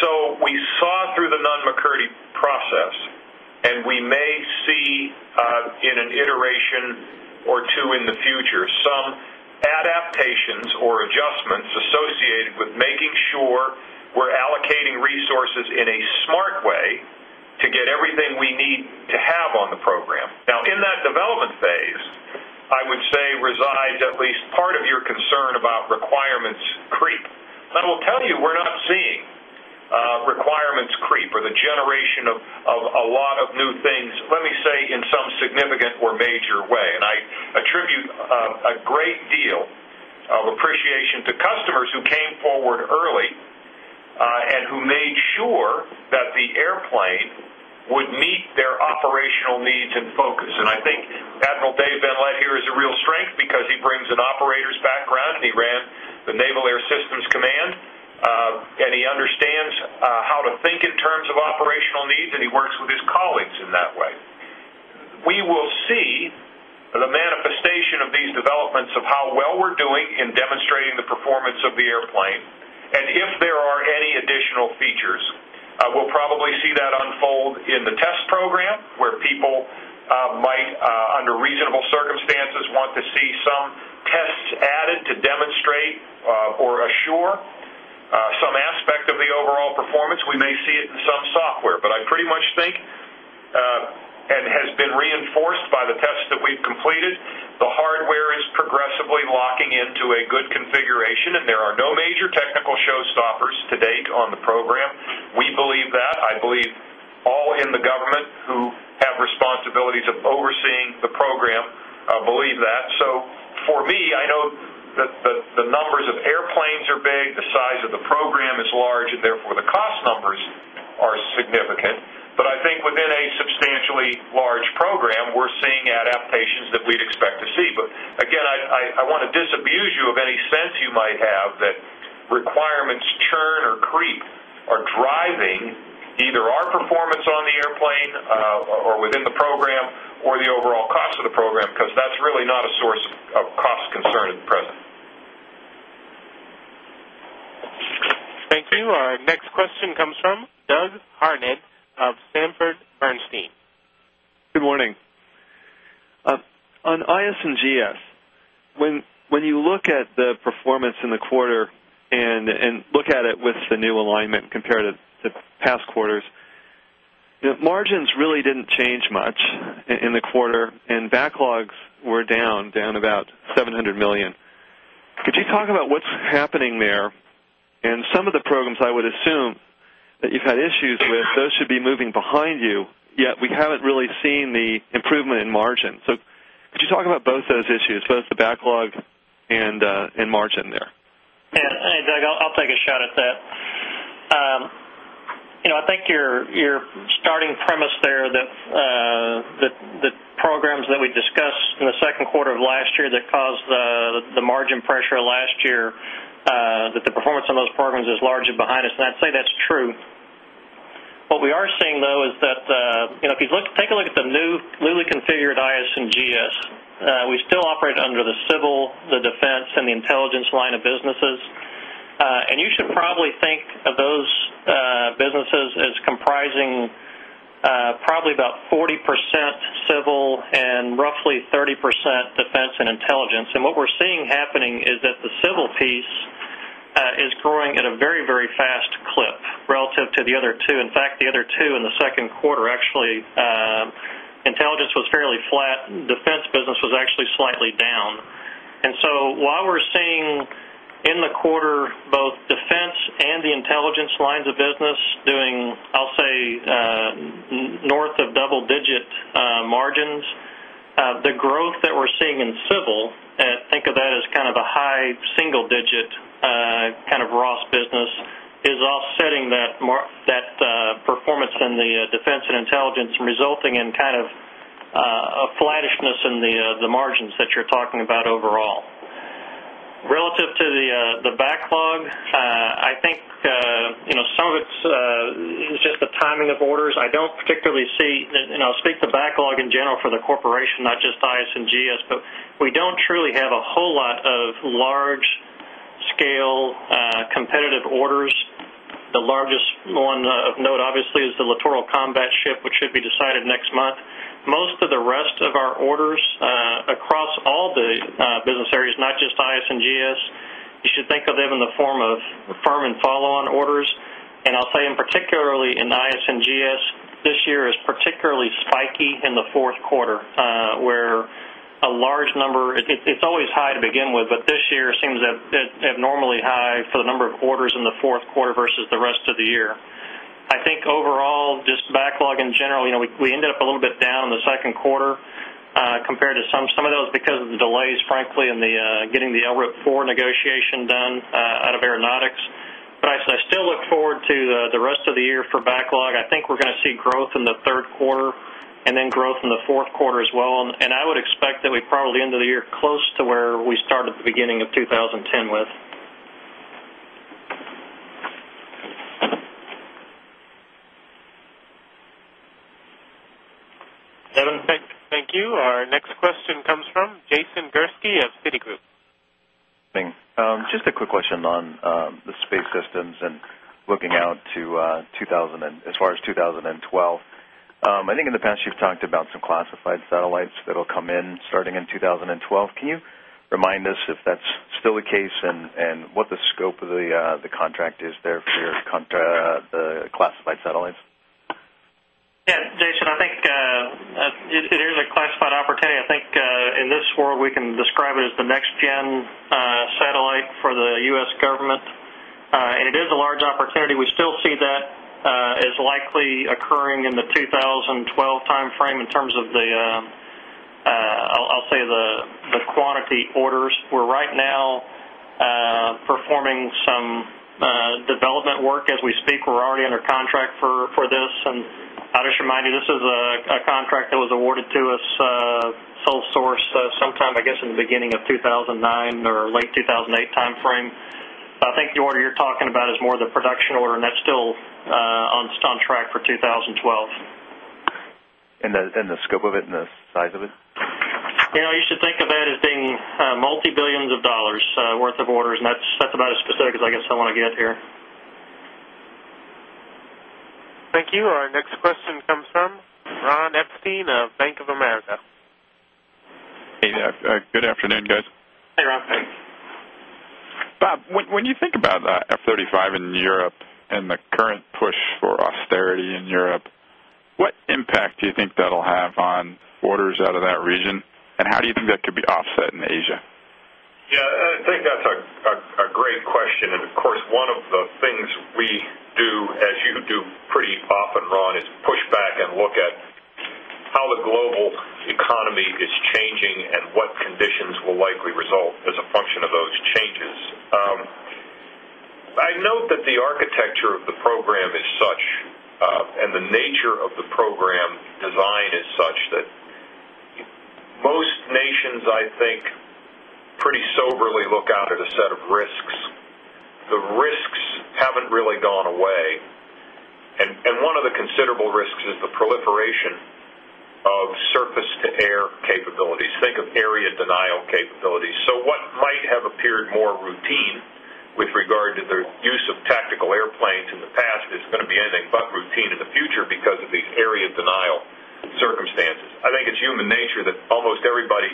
Speaker 2: So we saw through the non McCurdy Process and we may see in an iteration or 2 in the future some Adaptations or adjustments associated with making sure we're allocating resources in a smart way to get everything we need to have on the program. Now in that development phase, I would say resides at least part of your concern about requirements I will tell you we're not seeing requirements creep or the generation of a lot of new things, let me say, in some significant or major And I attribute a great deal of appreciation to customers who came forward early and who made sure that the airplane would meet their operational needs and focus. And I think Admiral Dave Benlett here is a real strength because he brings an operator's background and he ran the Naval Air Systems Command and he understands how to think in terms operational needs and he works with his colleagues in that way. We will see the manifestation of these developments of how well we're doing demonstrating the performance of the airplane and if there are any additional features. We'll probably see that unfold in the test program where people Mike, under reasonable circumstances, want to see some tests added to demonstrate or assure Some aspect of the overall performance, we may see it in some software, but I pretty much think and has been reinforced by the tests that we've completed. The hardware is progressively locking into a good configuration and there are no major technical showstoppers to date on the program. We believe that. I believe All in the government who have responsibilities of overseeing the program believe that. So for me, I know The numbers of airplanes are big, the size of the program is large and therefore the cost numbers are significant. But I think within a substantially large Program we're seeing adaptations that we'd expect to see. But again, I want to disabuse you of any sense you might have that Requirements churn or creep are driving either our performance on the airplane or within the program Or the overall cost of the program because that's really not a source of cost concern at present.
Speaker 1: Thank you. Our next question comes from Doug Harned of Sanford Bernstein.
Speaker 4: Good morning. On IS and GS, when you look at the performance in the quarter and look at it with the new alignment compared The past quarters, margins really didn't change much in the quarter and backlogs were down, down about 700,000,000 Could you talk about what's happening there? And some of the programs I would assume that you've had issues with, those should be moving behind you, Yes, we haven't really seen the improvement in margin. So could you talk about both those issues, both the backlog and margin there?
Speaker 3: Hey, Doug, I'll take a shot at that. I think your starting premise there that the Programs that we discussed in the Q2 of last year that caused the margin pressure last year, that the performance on those programs is largely behind us and I'd say that's true. What we are seeing though is that, if you look take a look at the new newly configured IS and GS, we still operate under the civil, The defense and the intelligence line of businesses, and you should probably think of those businesses as comprising Probably about 40% civil and roughly 30% defense and intelligence. And what we're seeing happening is that the civil piece is growing at a very, very fast clip relative to the other 2. In fact, the other 2 in the second quarter actually Intelligence was fairly flat, defense business was actually slightly down. And so while we're seeing in the quarter Both defense and the intelligence lines of business doing, I'll say, north of double digit Margins, the growth that we're seeing in Civil, think of that as kind of a high single digit kind of raws business Is offsetting that performance in the Defense and Intelligence resulting in kind of a flattishness in the margins that Relative to the backlog, I think some of it's just the timing of orders. I don't I'll speak to backlog in general for the corporation, not just IS and GS, but we don't truly have a whole lot of large Scale, competitive orders, the largest one of note obviously is the Littoral Combat Ship, which should be decided next month. Most of the rest of our orders across all the business areas, not just IS and GS, you should think of them in the form of firm and follow on orders. And I'll tell you in particularly in NIAS and GS, this year is particularly spiky in the 4th quarter, where A large number it's always high to begin with, but this year seems abnormally high for the number of quarters in the Q4 versus the rest of the year. I think overall just backlog in general, we ended up a little bit down in the Q2 compared to some of those because of the delays getting the LRIP4 negotiation done out of aeronautics. But I still look forward to the rest of the year for backlog. I think we're going See growth in the Q3 and then growth in the Q4 as well and I would expect that we probably end of the year close to where we started at the beginning of 2010 with.
Speaker 1: Thank you. Our next question comes from Jason Gerske of Citigroup.
Speaker 3: Thanks. Just a quick question on the space systems and Looking out to as far as 2012, I think in the past you've talked about some classified satellites that will come in starting in 2012. Can you Remind us if that's still the case and what the scope of the contract is there for your classified satellites? Yes. Jason, I think it is a classified opportunity. I think in this world, we can describe it as the next gen Satellite for the U. S. Government, and it is a large opportunity. We still see that as likely occurring in the 2012 time In terms of the, I'll say the quantity orders, we're right now performing some Development work as we speak, we're already under contract for this. And I'll just remind you, this is a contract that was awarded to us Sole source sometime I guess in the beginning of 2009 or late 2008 timeframe. I think the order you're talking about is more the production order and that's still It's on track for 2012. And the scope of it and the size of it? You should think of that as being Multi 1,000,000,000 of dollars worth of orders and that's about as specific as I guess I want to get here.
Speaker 1: Thank you. Our next question comes from Ron Epstein of Bank of America.
Speaker 2: Hey, good afternoon, guys. Bob, when you think about F-thirty 5 in Europe and the current push for austerity in Europe, What impact do you think that will have on orders out of that region? And how do you think that could be offset in Asia? Yes. I think that's a great question. And of course, one of the things we do as you do pretty often run is push back and look at How the global economy is changing and what conditions will likely result as a function of those changes. I note that the architecture of the program is such and the nature of the program design is such that Most nations, I think, pretty soberly look out at a set of risks. The risks haven't really gone away. And one of the considerable risks is the proliferation of surface to air capabilities, think of area denial capabilities. So what might have Appeared more routine with regard to the use of tactical airplanes in the past. It's going to be anything but routine in the future because of these area denial Circumstances, I think it's human nature that almost everybody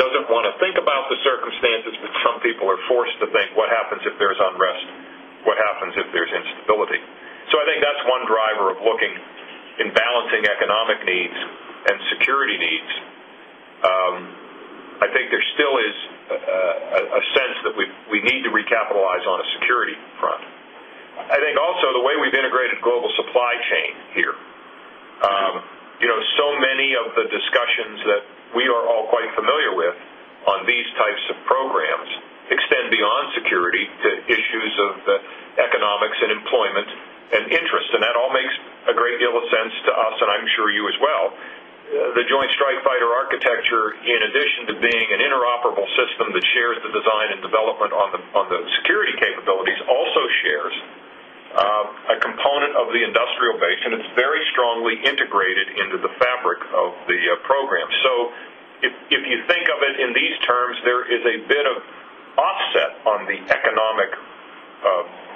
Speaker 2: doesn't want to think about the circumstances, but some people are forced to think what happens if there is unrest, What happens if there's instability? So I think that's one driver of looking in balancing economic needs and security needs. I think there still is a sense that we need to recapitalize on a security front. I think also the way we've integrated global supply chain here. So many of the discussions that We are all quite familiar with on these types of programs extend beyond security to issues of the Economics and employment and interest and that all makes a great deal of sense to us and I'm sure you as well. The Joint Strike Fighter In addition to being an interoperable system that shares the design and development on the security capabilities also shares A component of the industrial base and it's very strongly integrated into the fabric of the program. So If you think of it in these terms, there is a bit of offset on the economic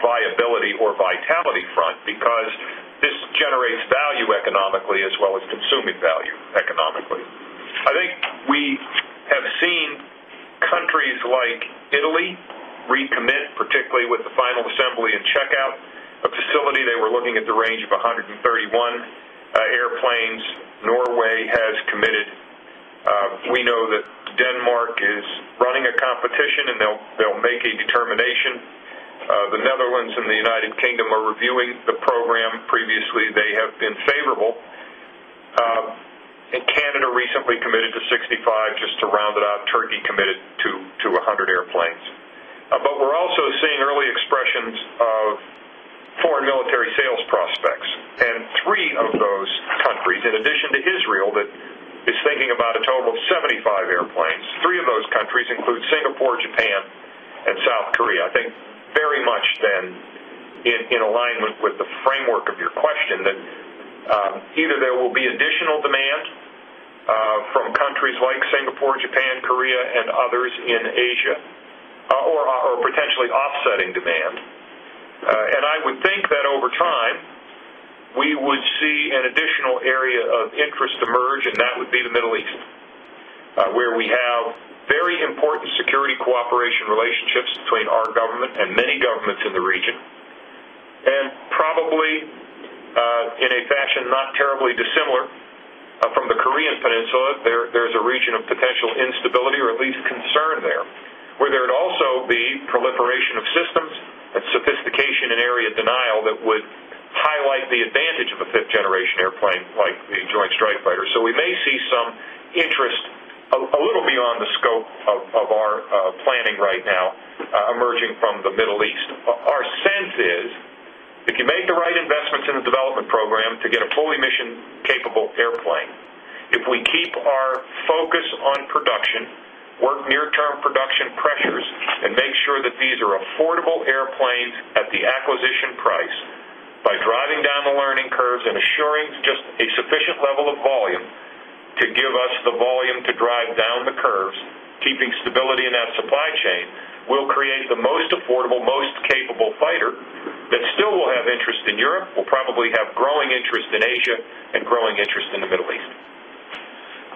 Speaker 2: viability or vitality front because This generates value economically as well as consuming value economically. I think we have seen Countries like Italy recommit, particularly with the final assembly and checkout of facility they were looking at the range of 131 Airplanes Norway has committed. We know that Denmark is running a competition and they'll make a determination. The Netherlands and the United Kingdom are reviewing the program previously. They have been favorable. And Canada recently committed to 65 just to round it out, Turkey committed to 100 airplanes. But we're also seeing early expressions of Foreign military sales prospects and 3 of those countries in addition to Israel that is thinking about a total of 75 airplanes, 3 of those countries include Singapore, Japan and South Korea. I think very much then in alignment with the framework of your question that Either there will be additional demand from countries like Singapore, Japan, Korea and others in Asia or potentially offsetting demand. And I would think that over time, we would see an additional area of interest emerge and that would The Middle East, where we have very important security cooperation relationships between our government and many governments in the region And probably in a fashion not terribly dissimilar from the Korean Peninsula, there is a region of potential instability or at least concern there, were there also the proliferation of systems and sophistication in area denial that would highlight the advantage of a 5th generation airplane like Joint Strike Fighter. So we may see some interest a little beyond the scope of our planning right now Emerging from the Middle East, our sense is, if you make the right investments in the development program to get a fully mission capable airplane, If we keep our focus on production, work near term production pressures and make sure that these are affordable airplanes at the acquisition price By driving down the learning curves and assuring just a sufficient level of volume to give us the volume to drive down the curves, Keeping stability in our supply chain will create the most affordable, most capable fighter that still will have interest in Europe, will probably have growing interest in Asia and growing interest in the Middle East.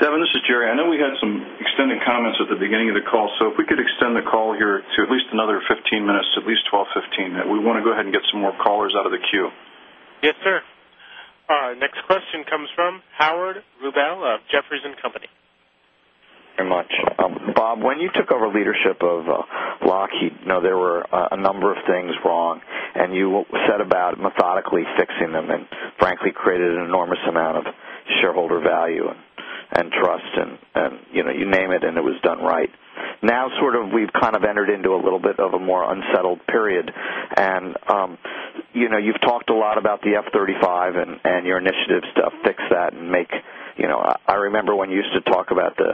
Speaker 2: Devin, this is Jerry. I know we had some extended comments at the beginning of the call. So if we could extend the call here At least another 15 minutes, at least 12:15. We want to go ahead and get some more callers out of the queue.
Speaker 1: Yes, sir. Our next question comes from Howard Rubel of Jefferies and Company.
Speaker 4: Thank you very much. Bob, when you took over leadership of Lockheed, there were a number of things wrong And you said about methodically fixing them and frankly created an enormous amount of shareholder value and trust And you name it and it was done right. Now sort of we've kind of entered into a little bit of a more unsettled period. And You've talked a lot about the F-thirty five and your initiatives to fix that and make I remember when you used to talk about the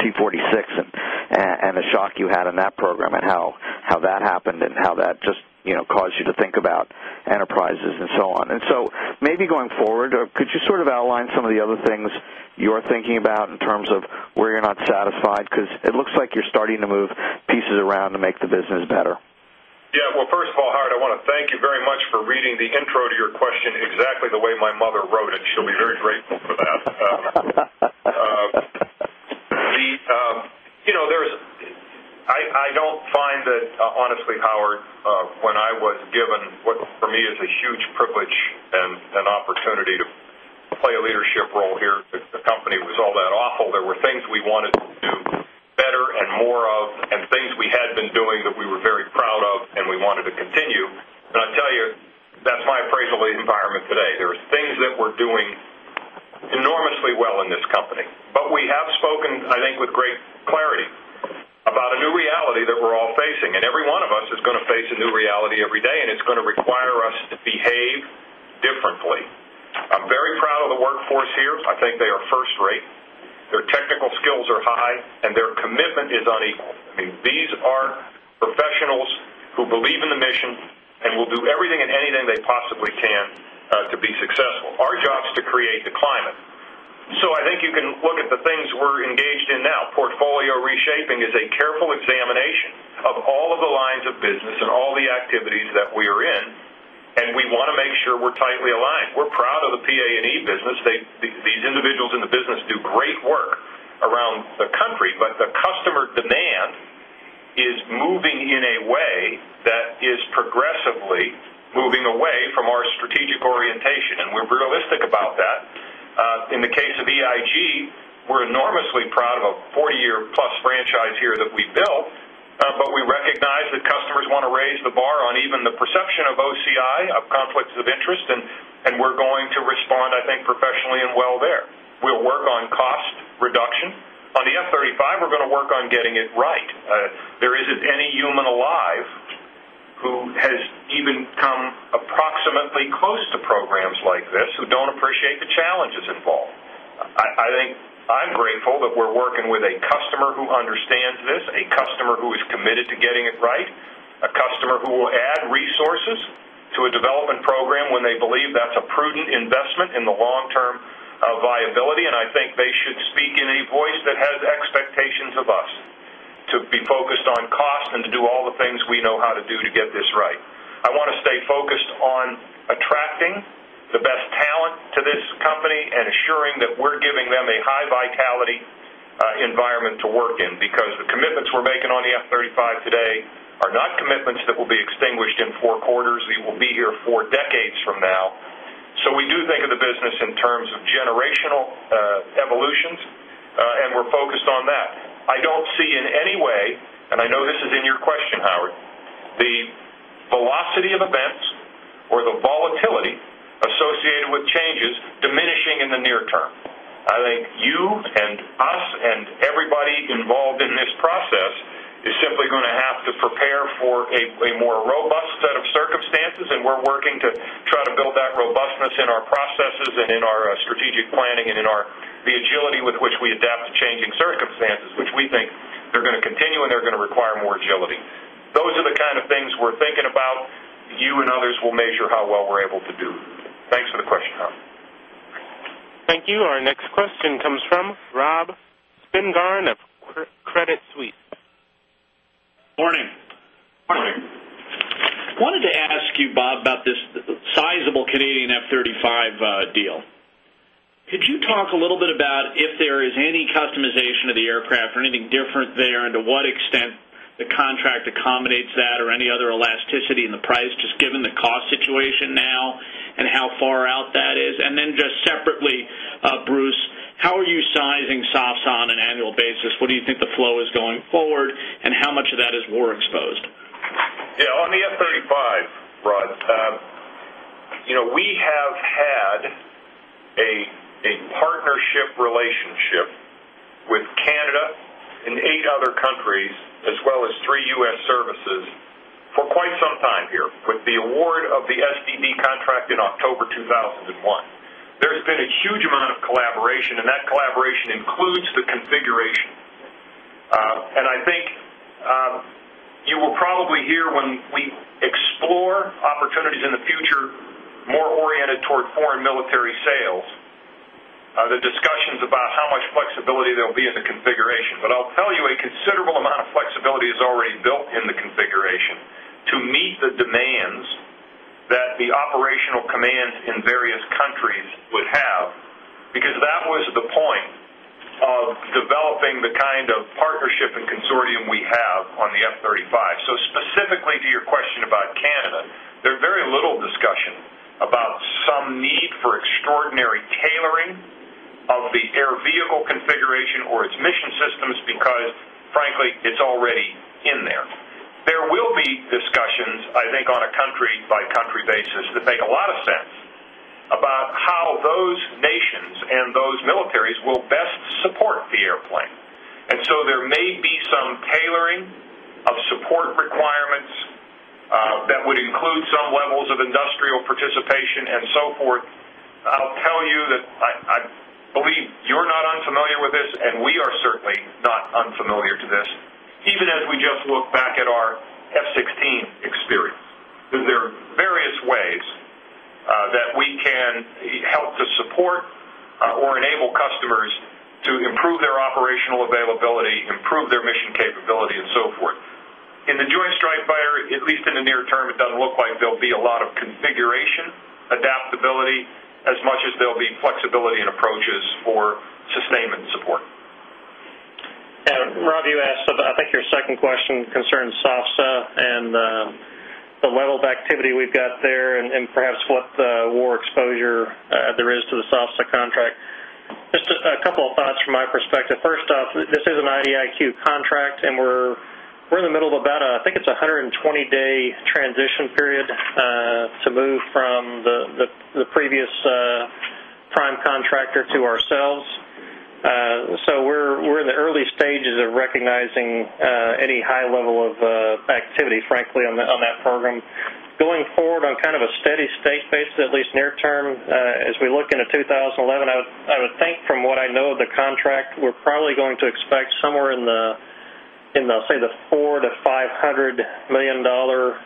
Speaker 4: T-forty six and the shock you had in that program and how that happened and how that just Cause you to think about enterprises and so on. And so maybe going forward, could you sort of outline some of the other things you're thinking about in terms of Where you're not satisfied because it looks like you're starting to move pieces around to make the business better.
Speaker 2: Yes. Well, first of all, Howard, I want to thank you very much for reading the intro to your Exactly the way my mother wrote it. She will be very grateful for that. There is I don't find that honestly, Howard, when I was given what for me is a huge privilege and opportunity to Play a leadership role here. The company was all that awful. There were things we wanted to do better and more of and things We had been doing that we were very proud of and we wanted to continue. And I'll tell you that's my appraisal environment today. There's things that we're doing Enormously well in this company, but we have spoken I think with great clarity about a new reality that we're all facing and Every one of us is going to face a new reality every day and it's going to require us to behave differently. I'm very proud of the workforce here. I think they are first rate. Their technical skills are high and their commitment is unequal. These are professionals who believe in the mission And we'll do everything and anything they possibly can to be successful. Our job is to create the climate. So I think you can look at the things we're engaged in now. Portfolio reshaping is a careful examination of all of the lines of business and all the activities that we are in And we want to make sure we're tightly aligned. We're proud of the PA and E business. These individuals in the business do great work around the country, but the customer demand is moving in a way that is progressively moving away from our strategic orientation and we're realistic about that. In the case of EIG, we're enormously proud of a 40 year plus franchise here that we've built, but we recognize that customers want to raise The bar on even the perception of OCI of conflicts of interest and we're going to respond I think professionally and well there. We'll work on cost reduction. On the F-thirty 5, we're going to work on getting it right. There isn't any human alive Who has even come approximately close to programs like this who don't appreciate the challenges involved. I think I'm grateful that we're working with a customer who understands this, a customer who is committed to getting it right, a customer who will add resources to a development program when they believe that's a prudent investment in the long term viability and I think they should speak in a voice that has expectations of us To be focused on cost and to do all the things we know how to do to get this right. I want to stay focused on attracting The best talent to this company and assuring that we're giving them a high vitality environment to work in because the commitments we're making on the F-thirty 5 today Are not commitments that will be extinguished in 4 quarters. We will be here 4 decades from now. So we do think of the business in terms of generational evolutions And we're focused on that. I don't see in any way and I know this is in your question, Howard, the velocity of events or the volatility associated with changes diminishing in the near term. I think you and us and everybody involved in this process You're simply going to have to prepare for a more robust set of circumstances and we're working to try to build that robustness in our processes and
Speaker 3: in our
Speaker 2: strategic The agility with which we adapt to changing circumstances, which we think they're going to continue and they're going to require more agility. Those are the kind of things we're thinking about. You and others will measure how well we're able to do.
Speaker 3: Thanks for
Speaker 2: the question, Tom.
Speaker 1: Thank you. Our next question comes from Rob Spingarn of Credit Suisse.
Speaker 2: Good morning. Good morning.
Speaker 6: I wanted to ask you, Bob, about this Sizable Canadian F-thirty 5 deal. Could you talk a little bit about if there is any customization of the aircraft or anything different there and to what extent The contract accommodates that or any other elasticity in the price just given the cost situation now and how far out that is? And then just separately, Bruce, How are you sizing softs on an annual basis? What do you think the flow is going forward and how much of that is WER exposed?
Speaker 2: Yes. On the F-thirty five, Rod, we have had a partnership relationship with Canada and 8 other countries as well as 3 U. S. Services for quite some time here With the award of the SDB contract in October 2001, there has been a huge amount of collaboration and that collaboration includes the configuration. And I think you will probably hear when we explore opportunities in the future More oriented toward foreign military sales, the discussions about how much flexibility there will be in the configuration, but I'll A considerable amount of flexibility is already built in the configuration to meet the demands that the operational commands in various countries Would have because that was the point of developing the kind of partnership and consortium we have on the F-thirty 5. So Specifically to your question about Canada, there is very little discussion about some need for extraordinary tailoring of the air vehicle configuration or its mission systems because frankly it's already in there. There will be discussions I think on a country by country basis that make a lot of sense about how those nations and those militaries will best support the airplane. And so there may be some tailoring of support requirements that would include some levels of industrial participation and so forth. I'll tell you that I believe you're not unfamiliar with this and we are certainly not unfamiliar to this, even as we just look back at our F-sixteen experience. There are various ways that we can help to support or enable customers to improve their operational availability, improve their mission capability and so forth. In the Joint Strike Fighter, at least in the near term, it doesn't look like there'll be a lot of configuration, adaptability as much as there'll be flexibility and approaches for
Speaker 3: Rob, you asked, I think your second question concerns soft sell and The level of activity we've got there and perhaps what war exposure there is to the soft start contract. Just a couple of thoughts from my perspective. First off, this is an IDIQ contract and we're in the middle of about, I think it's 120 day transition period To move from the previous prime contractor to ourselves, so we're in the early stages of recognizing Any high level of activity, frankly, on that program. Going forward, on kind of a steady state basis, at least near term, as we look into 2011, I would think from what I know of the contract, we're probably going to expect somewhere in the, I'll say, the $400,000,000 to 500 $1,000,000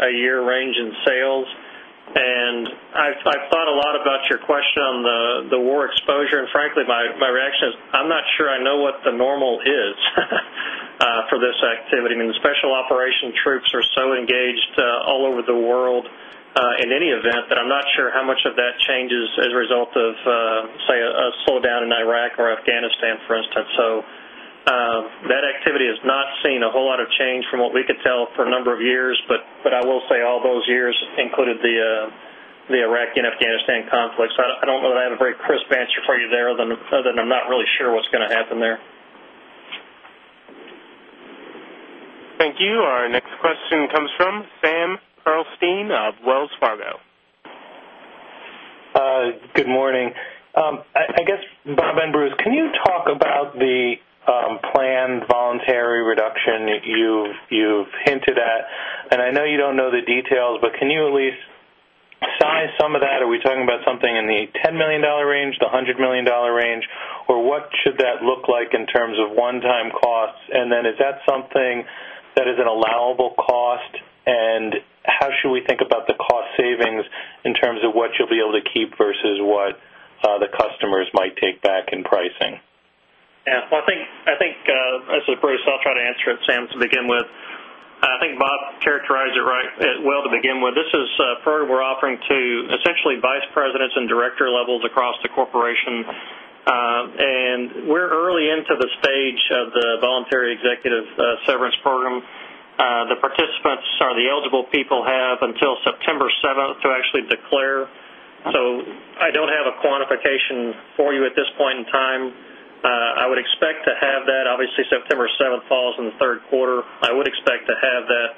Speaker 3: a year range in sales. And I thought a lot about your question on the war exposure. And frankly, my reaction is, I'm not sure I know what the normal is for this activity. I mean, the special operation troops are so engaged all over the world In any event, but I'm not sure how much of that changes as a result of, say, a slowdown in Iraq or Afghanistan, for instance. So That activity has not seen a whole lot of change from what we could tell for a number of years, but I will say all those years included The Iraq and Afghanistan conflicts, I don't know that I have a very crisp answer for you there other than I'm not really sure what's going to happen there.
Speaker 1: Thank you. Our next question comes from Sam Pearlstein of Wells Fargo.
Speaker 3: Good morning. I guess, Bob and Bruce, can you talk about the planned voluntary reduction And you've hinted that and I know you don't know the details, but can you at least size some of that? Are we talking about something in the $10,000,000 range to $100,000,000 range or what should that look like in terms of one time costs? And then is that something That is an allowable cost and how should we think about the cost savings in terms
Speaker 2: of what you'll be able
Speaker 3: to keep versus what the customers might take back in pricing? Yes. Well, I think, this is Bruce. I'll try to answer it, Sam, to begin with. I think Bob characterized it right well to begin with. This is a further we're offering to essentially Vice Presidents and Director levels across the corporation And we're early into the stage of the voluntary executive severance program. The participants So the eligible people have until September 7 to actually declare. So I don't have a quantification for you at this point in time. I would expect to have that obviously September 7 falls in the Q3. I would expect to have that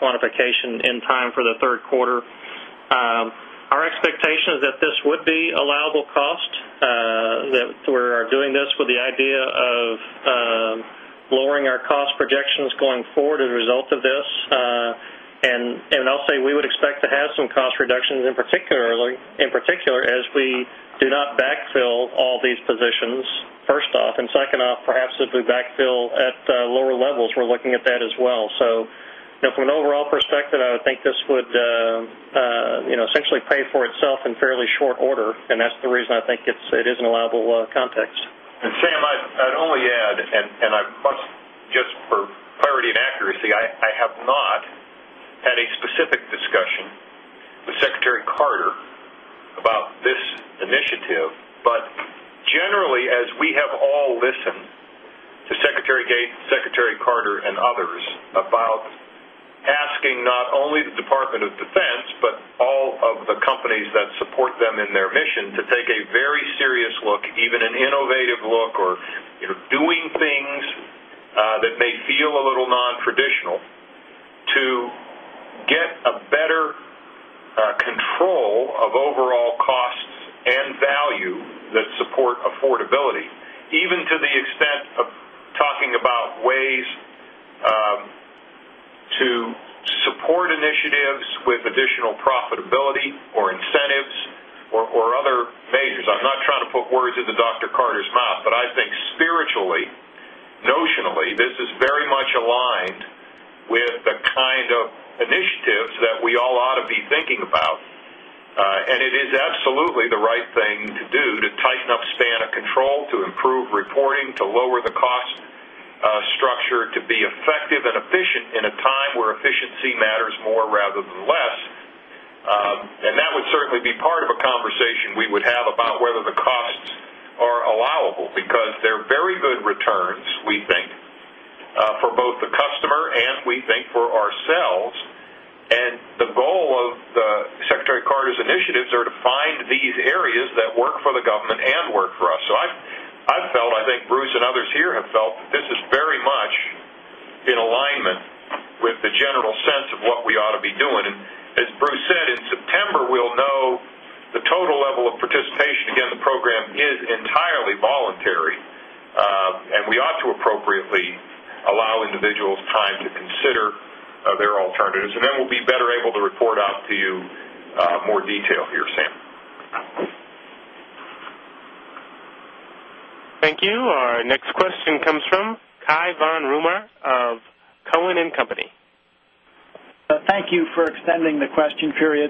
Speaker 3: quantification in time for the Q3. Our expectation is that this would be allowable cost. We are doing this with the idea of Lowering our cost projections going forward as a result of this, and I'll say we would expect to have some cost reductions in particular as we Do not backfill all these positions, 1st off and second off, perhaps if we backfill at lower levels, we're looking at that as well. So, Yes, from an overall perspective, I would think this would essentially pay for itself in fairly short order and that's the reason I think it is an allowable context.
Speaker 1: And Sam,
Speaker 2: I'd only add and I must just for clarity and accuracy, I have not had a specific discussion With Secretary Carter about this initiative, but generally as we have all listened to Secretary Gates, Secretary Carter and others about asking not only the Department of Defense, but All of the companies that support them in their mission to take a very serious look, even an innovative look or doing things that may feel a little nontraditional to
Speaker 1: get a
Speaker 2: better control of overall costs And value that support affordability, even to the extent of talking about ways To support initiatives with additional profitability or incentives or other measures, I'm not trying to put words into Doctor. Carter's But I think spiritually, notionally, this is very much aligned with the kind of Initiatives that we all ought to be thinking about and it is absolutely the right thing to do to tighten up Santa control to improve reporting to lower the cost structure to be effective and efficient in a time where efficiency matters more rather than less. And that would certainly be part of a conversation we would have about whether the costs are allowable because they're very good returns we think for both the customer and we think for ourselves. And the goal of the Secretary Carter's initiatives are to find These areas that work for the government and work for us. So I felt I think Bruce and others here have felt that this is very much In alignment with the general sense of what we ought to be doing and as Bruce said in September we'll know The total level of participation, again, the program is entirely voluntary, and we ought to appropriately Allow individuals time to consider their alternatives and then we'll be better able to report out to you more detail here, Sam.
Speaker 1: Thank you. Our next question comes from Cai von Rumohr of Cowen and Company.
Speaker 4: Thank you for extending the question period.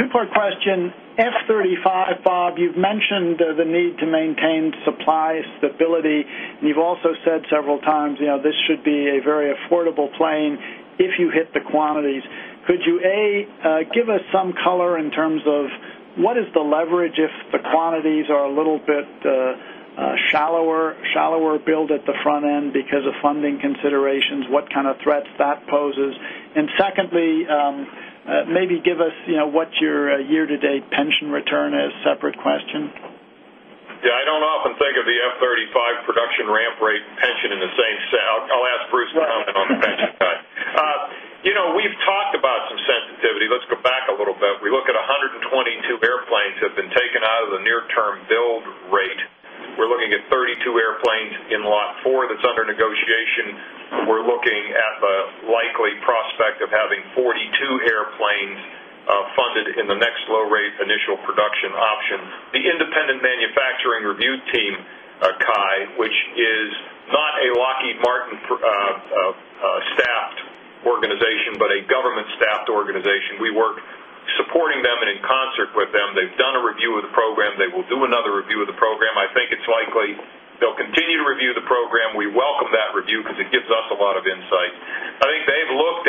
Speaker 4: Two part question, F-thirty five, Bob, you've mentioned the need to maintain supply The ability, you've also said several times, this should be a very affordable plane if you hit the quantities. Could you, A, Give us some color in terms of what is the leverage if the quantities are a little bit shallower, Shallower build at the front end because of funding considerations, what kind of threats that poses? And secondly, Maybe give us what your year to date pension return is separate question?
Speaker 2: Yes. I don't often think of the F-thirty five production ramp rate pension in the same I'll ask Bruce to comment on the pension cut. We've talked about some sensitivity. Let's go back a little bit. We look at 122 airplanes have been taken The near term build rate, we're looking at 32 airplanes in Lot 4 that's under negotiation. We're looking at the likely prospect of having 42 airplanes funded in the next low rate initial production option. The independent manufacturing review team, Kai, which is Not a Lockheed Martin staffed organization, but a government staffed organization. We work Supporting them and in concert with them, they've done a review of the program, they will do another review of the program. I think it's likely they'll continue to review the program. We welcome that review It gives us a lot of insight. I think they've looked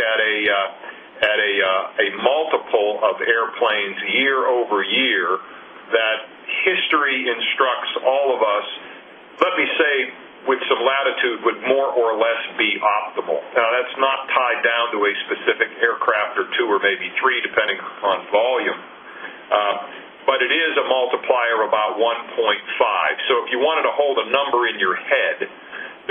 Speaker 2: at a multiple of airplanes year over year that History instructs all of us, let me say, with some latitude would more or less be optimal. Now that's not tied down to a Specific aircraft or 2 or maybe 3 depending on volume, but it is a multiplier of about 1 point 5. So if you wanted to hold a number in your head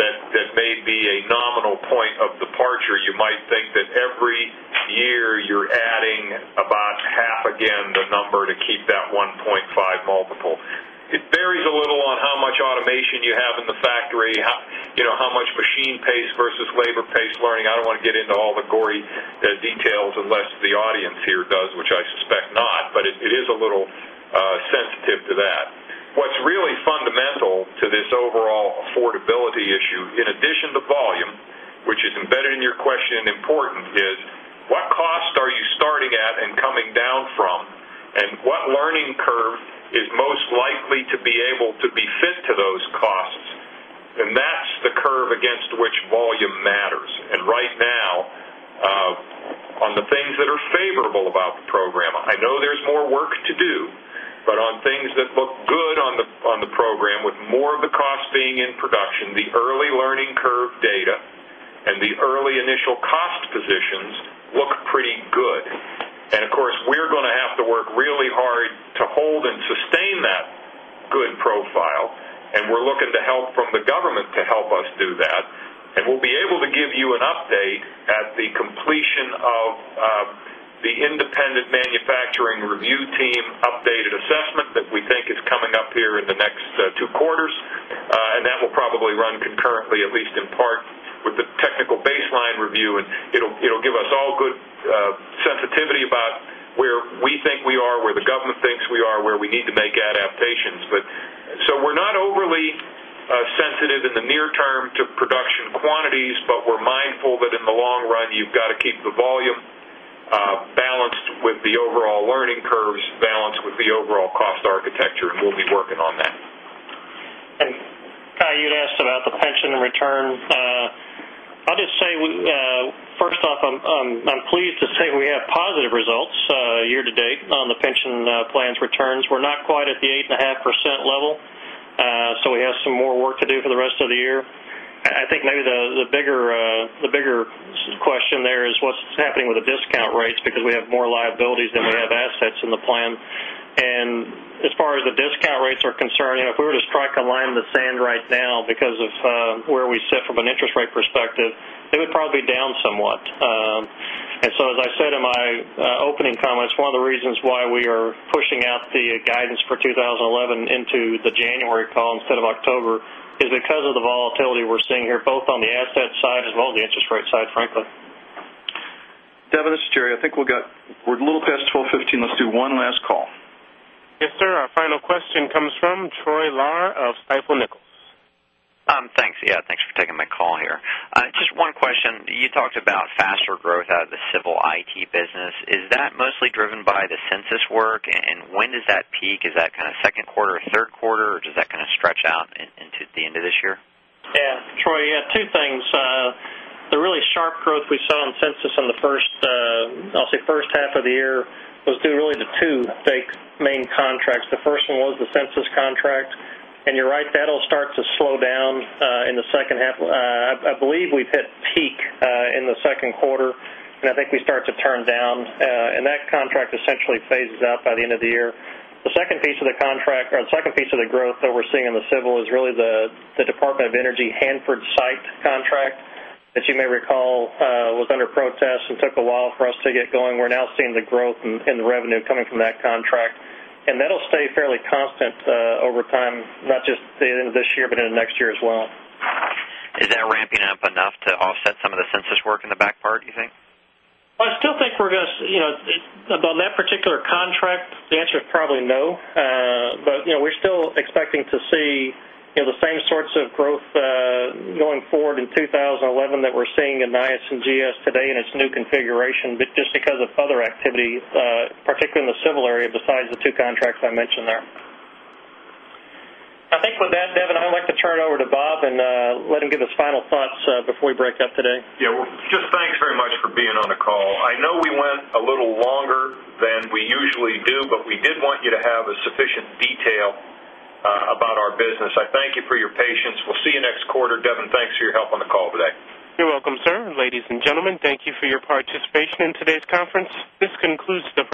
Speaker 2: that may be a nominal point of departure, you might think that every This year, you're adding about half again the number to keep that 1.5 multiple. It varies a little on how much automation you have in the factory, How much machine pace versus labor pace learning? I don't want to get into all the gory details unless the audience here does, which I suspect not, but it is a little Sensitive to that. What's really fundamental to this overall affordability issue in addition to volume, Which is embedded in your question and important is what cost are you starting at and coming down from and what learning curve Is most likely to be able to be fit to those costs and that's the curve against which volume matters. And right now, On the things that are favorable about the program, I know there's more work to do, but on things that look Good on the program with more of the cost being in production, the early learning curve data and the early initial cost positions Look pretty good. And of course, we are going to have to work really hard to hold and sustain that good profile And we're looking to help from the government to help us do that. And we'll be able to give you an update at the completion of The independent manufacturing review team updated assessment that we think is coming up here in the next two quarters And that will probably run concurrently at least in part with the technical baseline review and it will give us all good Sensitivity about where we think we are, where the government thinks we are, where we need to make adaptations. But so we're not overly Sensitive in the near term to production quantities, but we're mindful that in the long run, you've got to keep the volume Balanced with the overall learning curves, balanced with the overall cost architecture and we'll be working on that.
Speaker 3: And Kai, you'd asked about the pension return. I'll just say, first off, I'm pleased to say we have positive results So, year to date on the pension plans returns, we're not quite at the 8.5% level. So, we have some more work to do for the rest of the year. I think maybe the bigger question there is what's happening with the discount rates because we have more liabilities than we have assets in the plan. And as far as the discount rates are concerned, if we were to strike a line in the sand right now because of where we sit from an interest rate perspective, It would probably be down somewhat.
Speaker 4: And so as I said
Speaker 3: in my opening comments, one of the reasons why we are pushing The guidance for 2011 into the January call instead of October is because of the volatility we're seeing here both on the asset side as well as the interest rate side, frankly.
Speaker 2: Devin, this is Jerry. I think we got we're a little past 12:15. Let's do one last call.
Speaker 1: Yes, sir. Our final question comes from Troy Larr of Stifel Nichols.
Speaker 3: Thanks. Yes, thanks for taking my call here. Just one question. You talked about faster growth out of the Civil IT business. Is that mostly driven by the Since this work and when does that peak? Is that kind of 2nd quarter or 3rd quarter? Or does that kind of stretch out into the end of this year? Yes. Troy, yes, two things. The really sharp growth we saw in census in the first, I'll say, first half of the year was due really to 2 big main contracts. The first one was the census contract. And you're right, that will start to slow down in the second half. I believe we've hit peak in the second quarter, I think we start to turn down and that contract essentially phases out by the end of the year. The second piece of the contract or the second piece of the growth that we're seeing in the Civil is really The Department of Energy Hanford site contract that you may recall was under protest and took a while for us to get going. We're now Seeing the growth in revenue coming from that contract and that will stay fairly constant over time, not just this year but into next year as well. Is that ramping up enough to offset some of the census work in the back part you think? I still think we're going to on that particular contract, The answer is probably no. But we're still expecting to see the same sorts of growth going forward in 2011 that we're seeing in NIES and GS today in its new configuration, but just because of other activity, particularly in the Civil area besides the two contracts I mentioned there. I think with that, Devin, I'd like to turn it over to Bob and let him give his final thoughts before we break up today.
Speaker 2: Yes. Just thanks very much I know we went a little longer than we usually do, but we did want you to have a sufficient detail about our business. I thank you for your patience. We'll see you next quarter. Devin, thanks for your help on the call today.
Speaker 1: You're welcome, sir. Ladies and gentlemen, thank you for your participation in today's conference. This concludes the